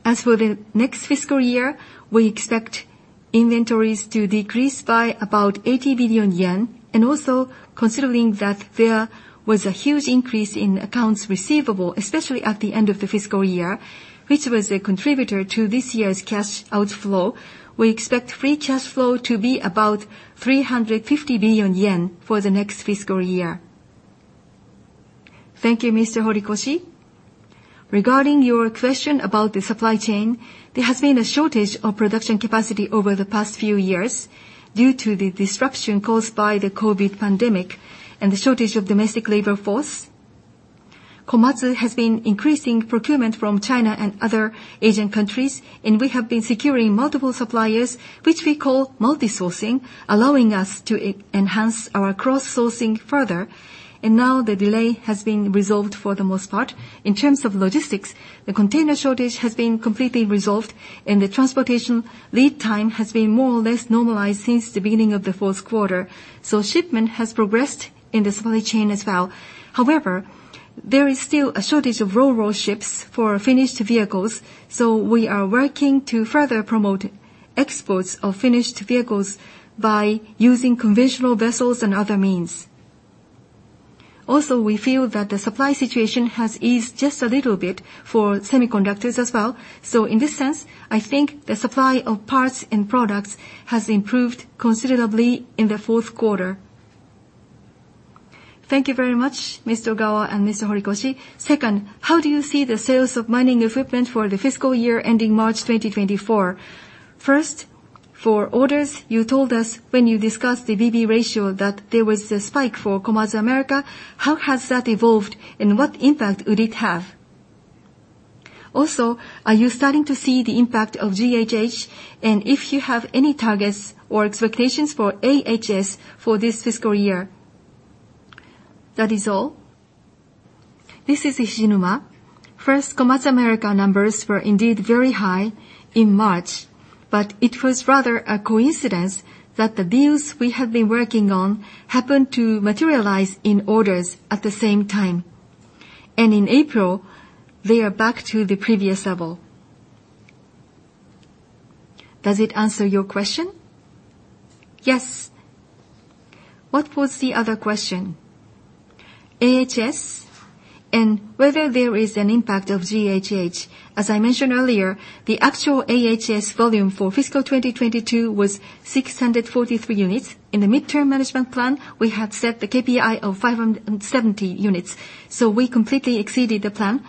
As for the next fiscal year, we expect inventories to decrease by about 80 billion yen, and also considering that there was a huge increase in accounts receivable, especially at the end of the fiscal year, which was a contributor to this year's cash outflow. We expect free cash flow to be about 350 billion yen for the next fiscal year. Thank you, Mr. Horikoshi. Regarding your question about the supply chain, there has been a shortage of production capacity over the past few years due to the disruption caused by the COVID pandemic and the shortage of domestic labor force. Komatsu has been increasing procurement from China and other Asian countries, and we have been securing multiple suppliers, which we call multi-sourcing, allowing us to enhance our cross-sourcing further. Now the delay has been resolved for the most part. In terms of logistics, the container shortage has been completely resolved, and the transportation lead time has been more or less normalized since the beginning of the fourth quarter. Shipment has progressed in the supply chain as well. However, there is still a shortage of ro-ro ships for our finished vehicles, so we are working to further promote exports of finished vehicles by using conventional vessels and other means. We feel that the supply situation has eased just a little bit for semiconductors as well. In this sense, I think the supply of parts and products has improved considerably in the fourth quarter. Thank you very much, Mr. Ogawa and Mr. Horikoshi. How do you see the sales of mining equipment for the fiscal year ending March 2024? For orders, you told us when you discussed the BB ratio that there was a spike for Komatsu America. How has that evolved, and what impact would it have? Are you starting to see the impact of GHH, and if you have any targets or expectations for AHS for this fiscal year? That is all. This is Hishinuma. Komatsu America numbers were indeed very high in March, but it was rather a coincidence that the deals we have been working on happened to materialize in orders at the same time. In April, they are back to the previous level. Does it answer your question? Yes. What was the other question? AHS and whether there is an impact of GHH. As I mentioned earlier, the actual AHS volume for fiscal 2022 was 643 units. In the mid-term management plan, we have set the KPI of 570 units. We completely exceeded the plan.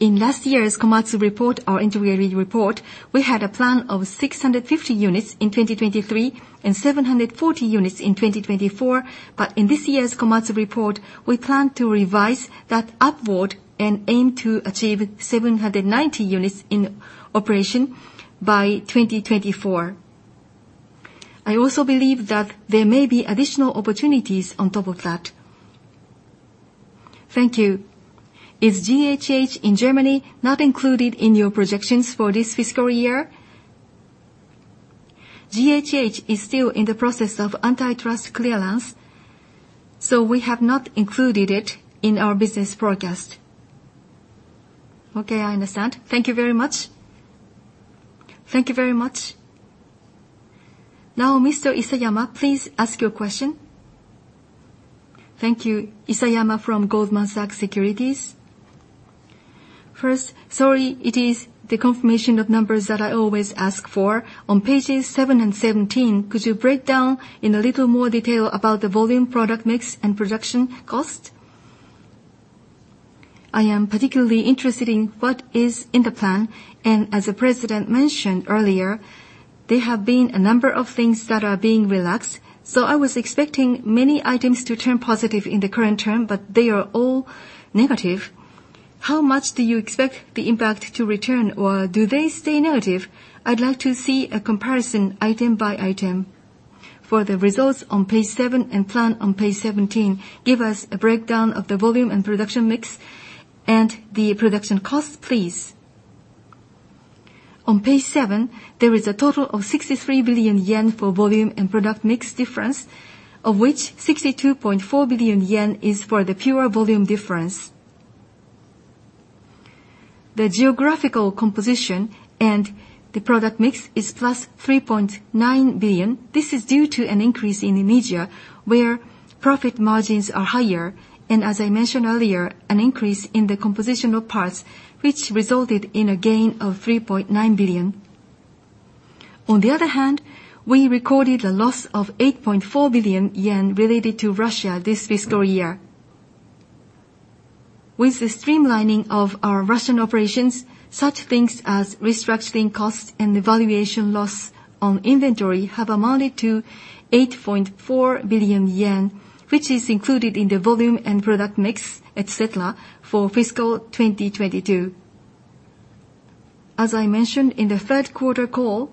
In last year's Komatsu Report, our intermediary report, we had a plan of 650 units in 2023 and 740 units in 2024. In this year's Komatsu Report, we plan to revise that upward and aim to achieve 790 units in operation by 2024. I also believe that there may be additional opportunities on top of that. Thank you. Is GHH in Germany not included in your projections for this fiscal year? GHH is still in the process of antitrust clearance. We have not included it in our business forecast. Okay, I understand. Thank you very much. Thank you very much. Mr. Isayama, please ask your question. Thank you. Isayama from Goldman Sachs Securities. Sorry, it is the confirmation of numbers that I always ask for. On pages seven and 17, could you break down in a little more detail about the volume product mix and production cost? I am particularly interested in what is in the plan. As the President mentioned earlier, there have been a number of things that are being relaxed, so I was expecting many items to turn positive in the current term, but they are all negative. How much do you expect the impact to return, or do they stay negative? I'd like to see a comparison item by item. For the results on page seven and plan on page 17, give us a breakdown of the volume and production mix and the production cost, please. On page seven, there is a total of 63 billion yen for volume and product mix difference, of which 62.4 billion yen is for the pure volume difference. The geographical composition and the product mix is +3.9 billion. This is due to an increase in Indonesia where profit margins are higher and, as I mentioned earlier, an increase in the composition of parts which resulted in a gain of 3.9 billion. On the other hand, we recorded a loss of 8.4 billion yen related to Russia this fiscal year. With the streamlining of our Russian operations, such things as restructuring costs and evaluation loss on inventory have amounted to 8.4 billion yen, which is included in the volume and product mix, et cetera, for fiscal 2022. As I mentioned in the third quarter call,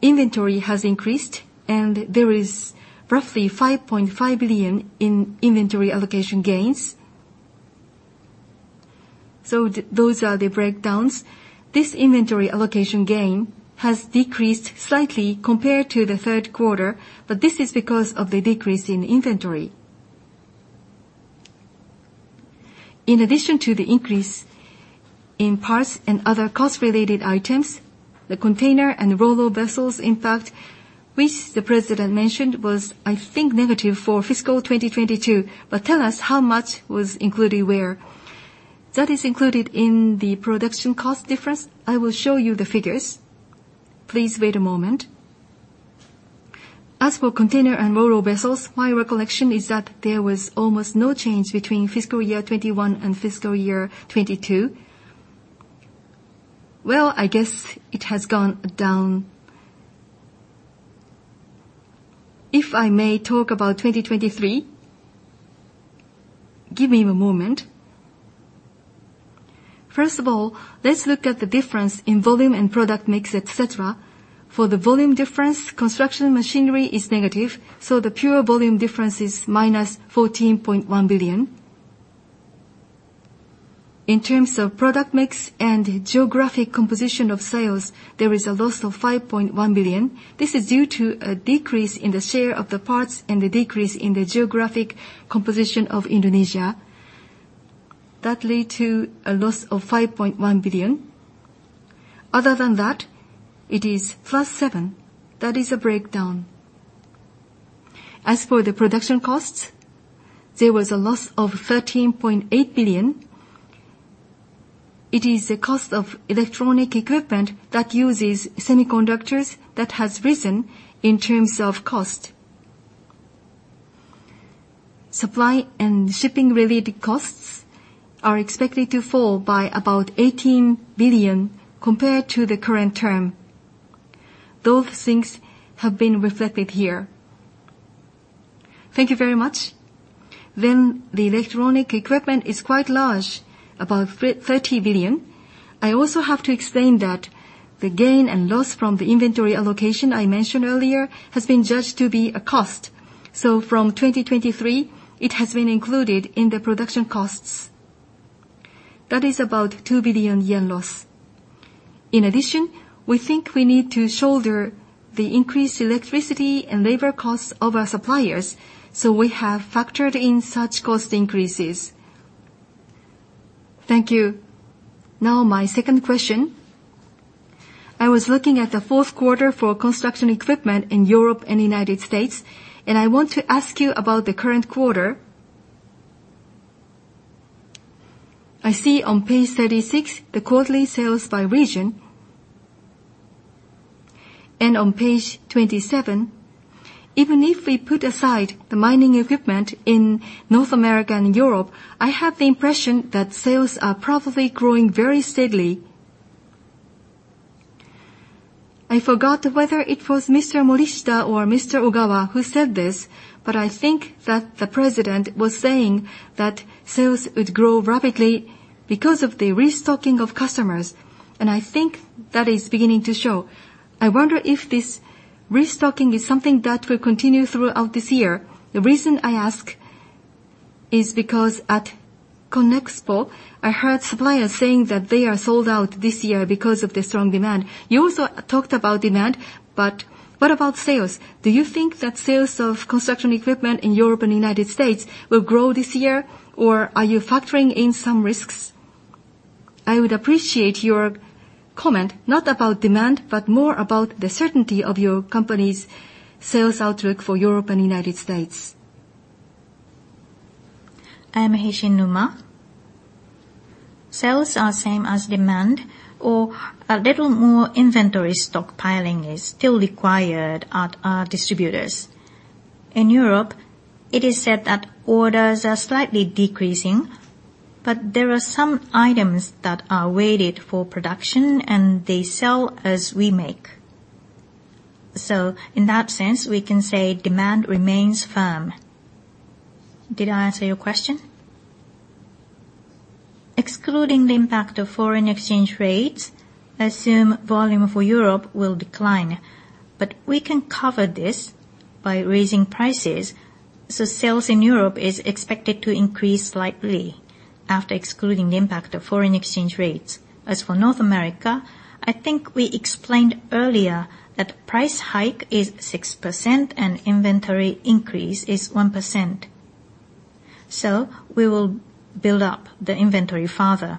inventory has increased, there is roughly 5.5 billion in inventory allocation gains. Those are the breakdowns. This inventory allocation gain has decreased slightly compared to the third quarter, this is because of the decrease in inventory. In addition to the increase in parts and other cost-related items, the container and the ro-ro ships impact, which the President mentioned was, I think, negative for fiscal 2022. Tell us how much was included where. That is included in the production cost difference. I will show you the figures. Please wait a moment. As for container and ro-ro ships, my recollection is that there was almost no change between fiscal year 21 and fiscal year 22. Well, I guess it has gone down. If I may talk about 2023, give me a moment. First of all, let's look at the difference in volume and product mix, et cetera. For the volume difference, construction machinery is negative, so the pure volume difference is -14.1 billion. In terms of product mix and geographic composition of sales, there is a loss of 5.1 billion. This is due to a decrease in the share of the parts and the decrease in the geographic composition of Indonesia. That led to a loss of 5.1 billion. Other than that, it is +7 billion. That is a breakdown. As for the production costs, there was a loss of 13.8 billion. It is the cost of electronic equipment that uses semiconductors that has risen in terms of cost. Supply and shipping related costs are expected to fall by about 18 billion compared to the current term. Those things have been reflected here. Thank you very much. The electronic equipment is quite large, about 30 billion. I also have to explain that the gain and loss from the inventory allocation I mentioned earlier has been judged to be a cost. From 2023, it has been included in the production costs. That is about 2 billion yen loss. In addition, we think we need to shoulder the increased electricity and labor costs of our suppliers, so we have factored in such cost increases. Thank you. My second question. I was looking at the fourth quarter for construction equipment in Europe and United States, and I want to ask you about the current quarter. I see on page 36 the quarterly sales by region. On page 27, even if we put aside the mining equipment in North America and Europe, I have the impression that sales are probably growing very steadily. I forgot whether it was Mr. Morishita or Mr. Ogawa who said this, but I think that the president was saying that sales would grow rapidly because of the restocking of customers, and I think that is beginning to show. I wonder if this restocking is something that will continue throughout this year. The reason I ask is because at CONEXPO, I heard suppliers saying that they are sold out this year because of the strong demand. You also talked about demand, but what about sales? Do you think that sales of construction equipment in Europe and United States will grow this year, or are you factoring in some risks? I would appreciate your comment, not about demand, but more about the certainty of your company's sales outlook for Europe and United States. I am Hishinuma. Sales are same as demand, or a little more inventory stockpiling is still required at our distributors. In Europe, it is said that orders are slightly decreasing, but there are some items that are waited for production, and they sell as we make. In that sense, we can say demand remains firm. Did I answer your question? Excluding the impact of foreign exchange rates, assume volume for Europe will decline. We can cover this by raising prices, so sales in Europe is expected to increase slightly after excluding the impact of foreign exchange rates. As for North America, I think we explained earlier that price hike is 6% and inventory increase is 1%. We will build up the inventory further.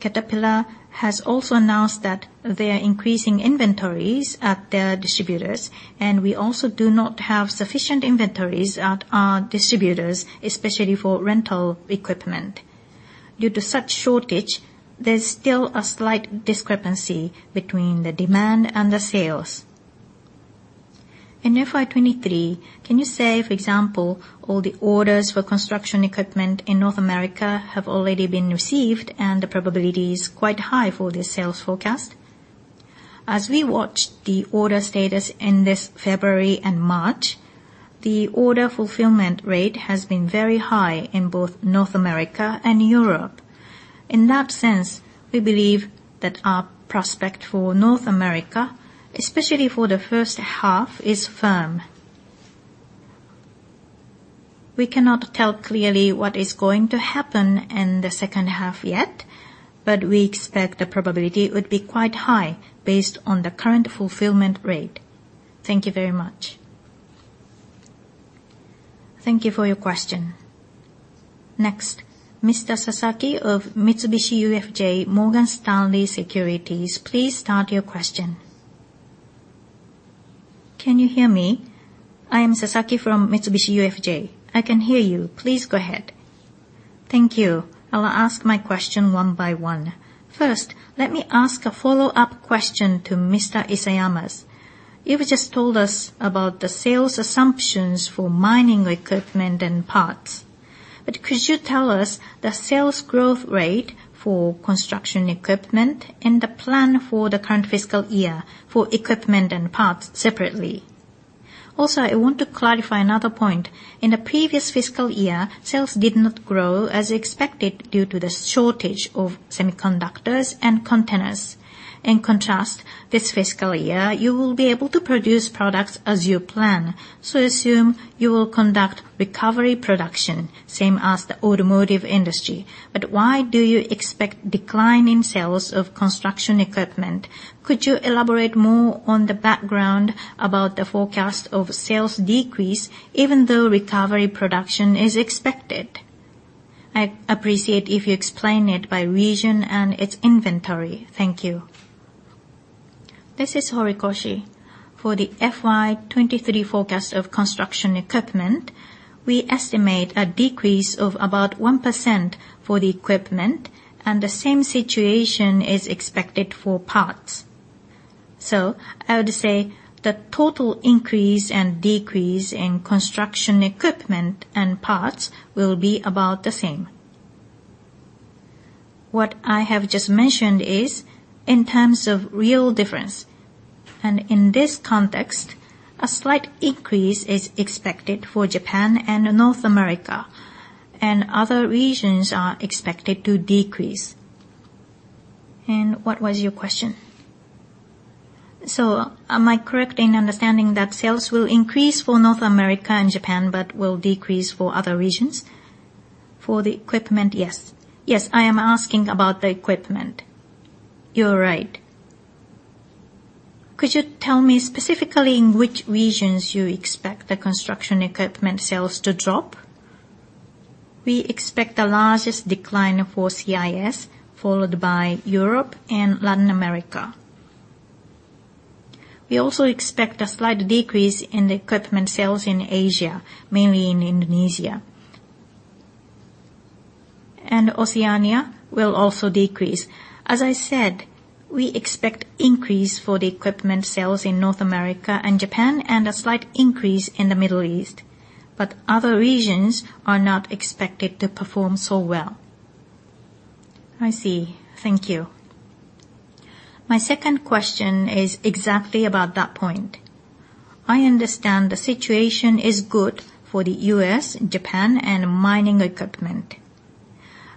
Caterpillar has also announced that they are increasing inventories at their distributors, and we also do not have sufficient inventories at our distributors, especially for rental equipment. Due to such shortage, there's still a slight discrepancy between the demand and the sales. In FY23, can you say, for example, all the orders for construction equipment in North America have already been received and the probability is quite high for the sales forecast? As we watch the order status in this February and March, the order fulfillment rate has been very high in both North America and Europe. In that sense, we believe that our prospect for North America, especially for the first half, is firm. We cannot tell clearly what is going to happen in the second half yet. We expect the probability would be quite high based on the current fulfillment rate. Thank you very much. Thank you for your question. Next, Mr. Sasaki of Mitsubishi UFJ Morgan Stanley Securities, please start your question. Can you hear me? I am Sasaki from Mitsubishi UFJ. I can hear you. Please go ahead. Thank you. I'll ask my question one by one. First, let me ask a follow-up question to Mr. Isayama's. You've just told us about the sales assumptions for mining equipment and parts, but could you tell us the sales growth rate for construction equipment and the plan for the current fiscal year for equipment and parts separately? Also, I want to clarify another point. In the previous fiscal year, sales did not grow as expected due to the shortage of semiconductors and containers. In contrast, this fiscal year, you will be able to produce products as you plan. Assume you will conduct recovery production, same as the automotive industry. Why do you expect decline in sales of construction equipment? Could you elaborate more on the background about the forecast of sales decrease, even though recovery production is expected? I'd appreciate if you explain it by region and its inventory. Thank you. This is Horikoshi. For the FY23 forecast of construction equipment, we estimate a decrease of about 1% for the equipment, and the same situation is expected for parts. I would say the total increase and decrease in construction equipment and parts will be about the same. What I have just mentioned is in terms of real difference, and in this context, a slight increase is expected for Japan and North America, and other regions are expected to decrease. What was your question? Am I correct in understanding that sales will increase for North America and Japan, but will decrease for other regions? For the equipment, yes. Yes, I am asking about the equipment. You're right. Could you tell me specifically in which regions you expect the construction equipment sales to drop? We expect the largest decline for CIS, followed by Europe and Latin America. We also expect a slight decrease in the equipment sales in Asia, mainly in Indonesia. Oceania will also decrease. As I said, we expect increase for the equipment sales in North America and Japan, and a slight increase in the Middle East, but other regions are not expected to perform so well. I see. Thank you. My second question is exactly about that point. I understand the situation is good for the U.S., Japan, and mining equipment.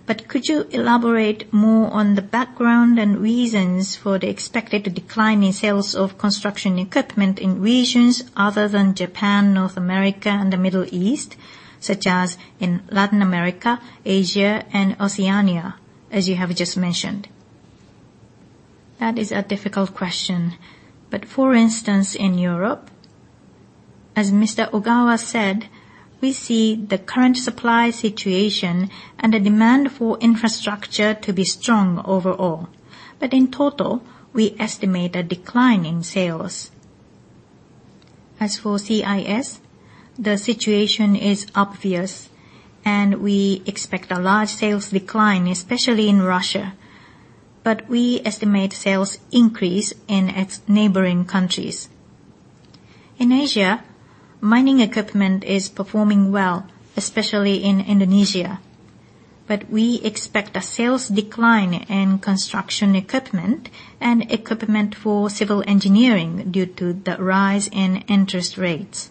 Could you elaborate more on the background and reasons for the expected decline in sales of construction equipment in regions other than Japan, North America, and the Middle East, such as in Latin America, Asia, and Oceania, as you have just mentioned? That is a difficult question. For instance, in Europe, as Mr. Ogawa said, we see the current supply situation and the demand for infrastructure to be strong overall. In total, we estimate a decline in sales. As for CIS, the situation is obvious, and we expect a large sales decline, especially in Russia, but we estimate sales increase in its neighboring countries. In Asia, mining equipment is performing well, especially in Indonesia, but we expect a sales decline in construction equipment and equipment for civil engineering due to the rise in interest rates.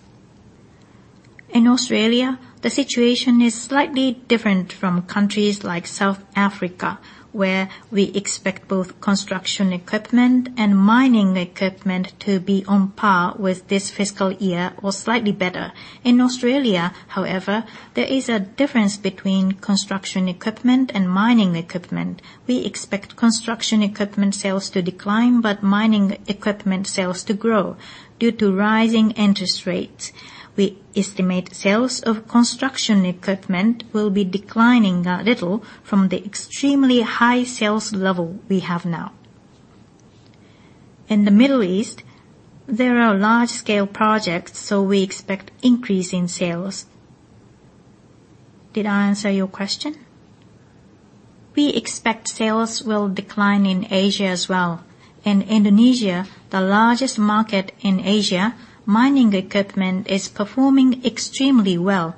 In Australia, the situation is slightly different from countries like South Africa, where we expect both construction equipment and mining equipment to be on par with this fiscal year or slightly better. In Australia, however, there is a difference between construction equipment and mining equipment. We expect construction equipment sales to decline but mining equipment sales to grow due to rising interest rates. We estimate sales of construction equipment will be declining a little from the extremely high sales level we have now. In the Middle East, there are large-scale projects, so we expect increase in sales. Did I answer your question? We expect sales will decline in Asia as well. In Indonesia, the largest market in Asia, mining equipment is performing extremely well,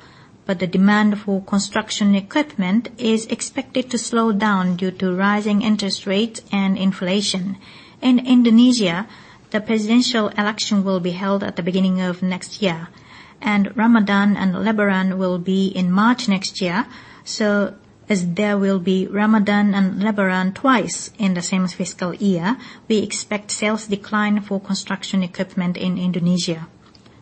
but the demand for construction equipment is expected to slow down due to rising interest rates and inflation. In Indonesia, the presidential election will be held at the beginning of next year, and Ramadan and Lebaran will be in March next year. As there will be Ramadan and Lebaran twice in the same fiscal year, we expect sales decline for construction equipment in Indonesia.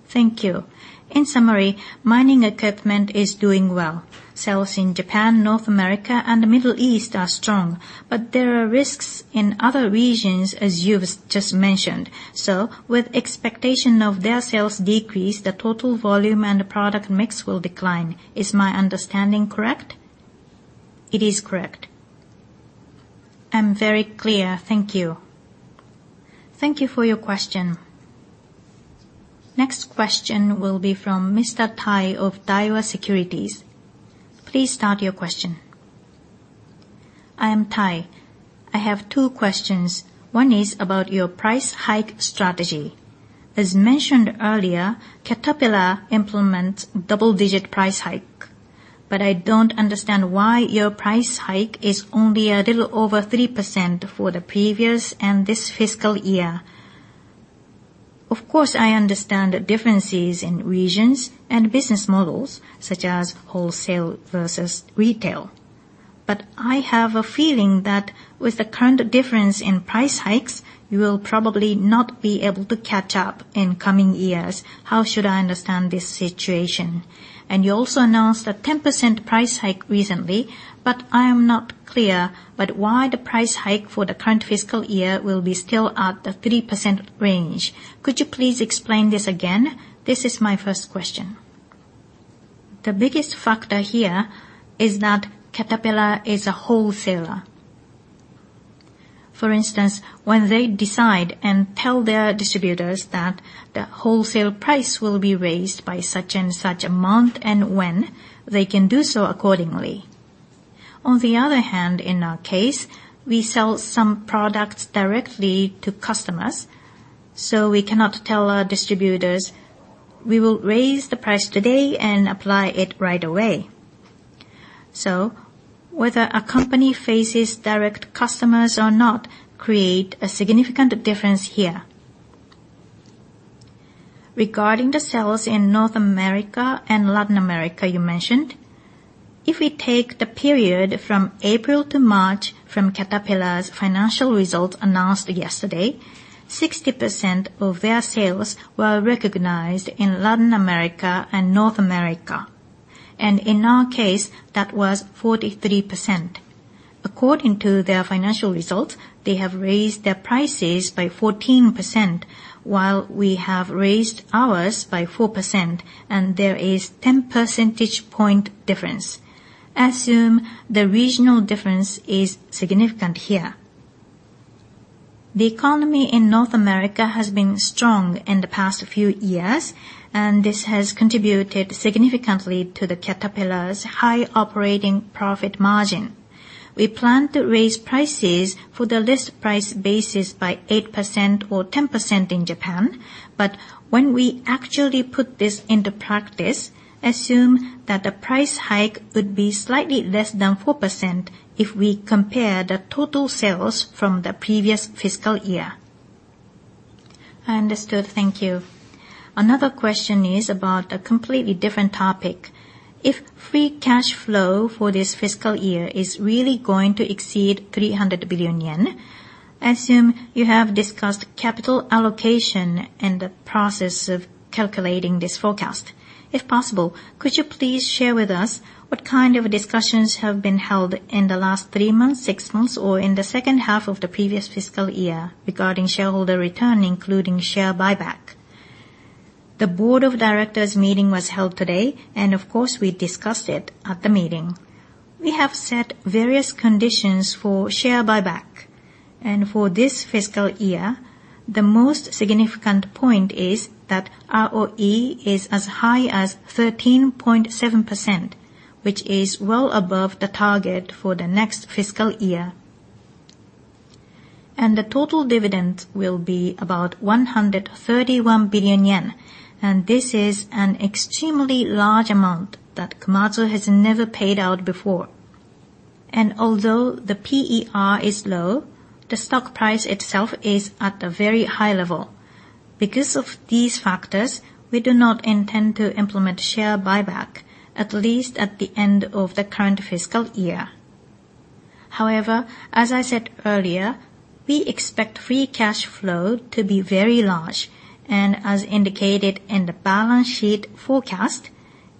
Thank you. In summary, mining equipment is doing well. Sales in Japan, North America, and the Middle East are strong, but there are risks in other regions, as you've just mentioned. With expectation of their sales decrease, the total volume and the product mix will decline. Is my understanding correct? It is correct. I'm very clear. Thank you. Thank you for your question. Next question will be from Mr. Tai of Daiwa Securities. Please start your question. I am Tai. I have two questions. One is about your price hike strategy. As mentioned earlier, Caterpillar implements double-digit price hike, but I don't understand why your price hike is only a little over 3% for the previous and this fiscal year. Of course, I understand the differences in regions and business models, such as wholesale versus retail, but I have a feeling that with the current difference in price hikes, you will probably not be able to catch up in coming years. How should I understand this situation? You also announced a 10% price hike recently, but I am not clear why the price hike for the current fiscal year will be still at the 3% range. Could you please explain this again? This is my first question. The biggest factor here is that Caterpillar is a wholesaler. For instance, when they decide and tell their distributors that the wholesale price will be raised by such and such amount and when, they can do so accordingly. On the other hand, in our case, we sell some products directly to customers, so we cannot tell our distributors, "We will raise the price today and apply it right away." Whether a company faces direct customers or not create a significant difference here. Regarding the sales in North America and Latin America you mentioned, if we take the period from April to March from Caterpillar's financial results announced yesterday, 60% of their sales were recognized in Latin America and North America. In our case, that was 43%. According to their financial results, they have raised their prices by 14%, while we have raised ours by 4%, and there is 10 percentage point difference. I assume the regional difference is significant here. The economy in North America has been strong in the past few years, and this has contributed significantly to the Caterpillar's high operating profit margin. We plan to raise prices for the list price basis by 8% or 10% in Japan. When we actually put this into practice, assume that the price hike would be slightly less than 4% if we compare the total sales from the previous fiscal year. Understood. Thank you. Another question is about a completely different topic. If free cash flow for this fiscal year is really going to exceed 300 billion yen, assume you have discussed capital allocation in the process of calculating this forecast. If possible, could you please share with us what kind of discussions have been held in the last three months, six months, or in the second half of the previous fiscal year regarding shareholder return, including share buyback? The board of directors meeting was held today, and of course, we discussed it at the meeting. We have set various conditions for share buyback. For this fiscal year, the most significant point is that ROE is as high as 13.7%, which is well above the target for the next fiscal year. The total dividend will be about 131 billion yen, and this is an extremely large amount that Komatsu has never paid out before. Although the PER is low, the stock price itself is at a very high level. Because of these factors, we do not intend to implement share buyback, at least at the end of the current fiscal year. However, as I said earlier, we expect free cash flow to be very large. As indicated in the balance sheet forecast,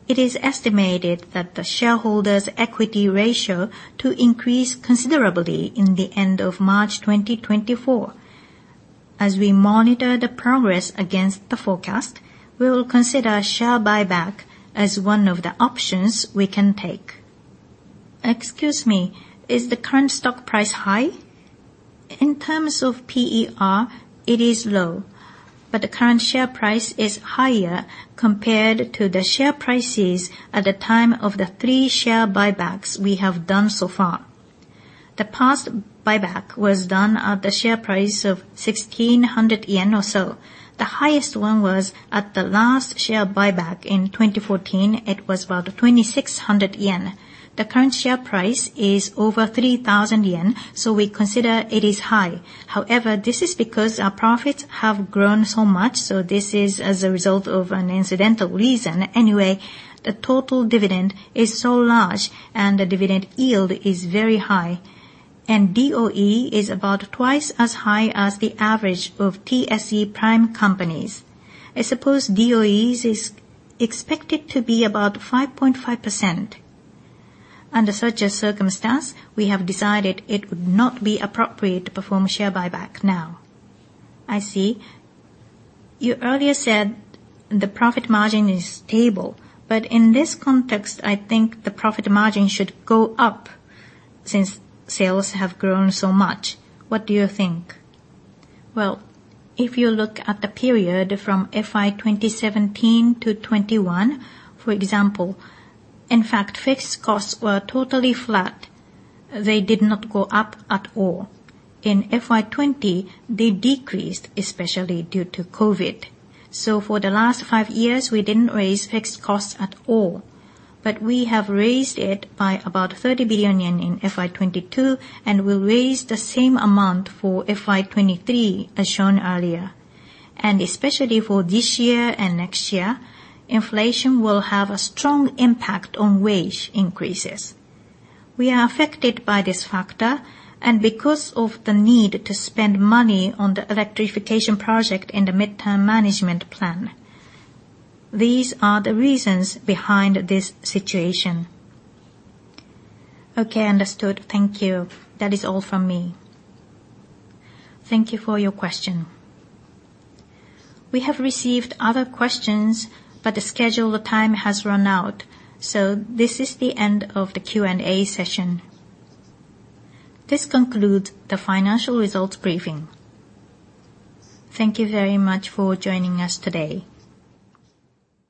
it is estimated that the shareholders' equity ratio to increase considerably in the end of March 2024. As we monitor the progress against the forecast, we will consider share buyback as one of the options we can take. Excuse me. Is the current stock price high? In terms of PER, it is low, but the current share price is higher compared to the share prices at the time of the three share buybacks we have done so far. The past buyback was done at the share price of 1,600 yen or so. The highest one was at the last share buyback in 2014, it was about 2,600 yen. The current share price is over 3,000 yen, we consider it is high. This is because our profits have grown so much, so this is as a result of an incidental reason. The total dividend is so large, and the dividend yield is very high, and DOE is about twice as high as the average of TSE Prime companies. I suppose DOE is expected to be about 5.5%. Under such a circumstance, we have decided it would not be appropriate to perform share buyback now. I see. You earlier said the profit margin is stable, in this context, I think the profit margin should go up since sales have grown so much. What do you think? If you look at the period from FY 2017 to 2021, for example, in fact, fixed costs were totally flat. They did not go up at all. In FY 2020, they decreased, especially due to COVID. For the last five years, we didn't raise fixed costs at all. We have raised it by about 30 billion yen in FY 2022 and will raise the same amount for FY 2023 as shown earlier. Especially for this year and next year, inflation will have a strong impact on wage increases. We are affected by this factor and because of the need to spend money on the electrification project in the mid-term management plan. These are the reasons behind this situation. Okay, understood. Thank you. That is all from me. Thank you for your question. We have received other questions, but the scheduled time has run out. This is the end of the Q&A session. This concludes the financial results briefing. Thank you very much for joining us today.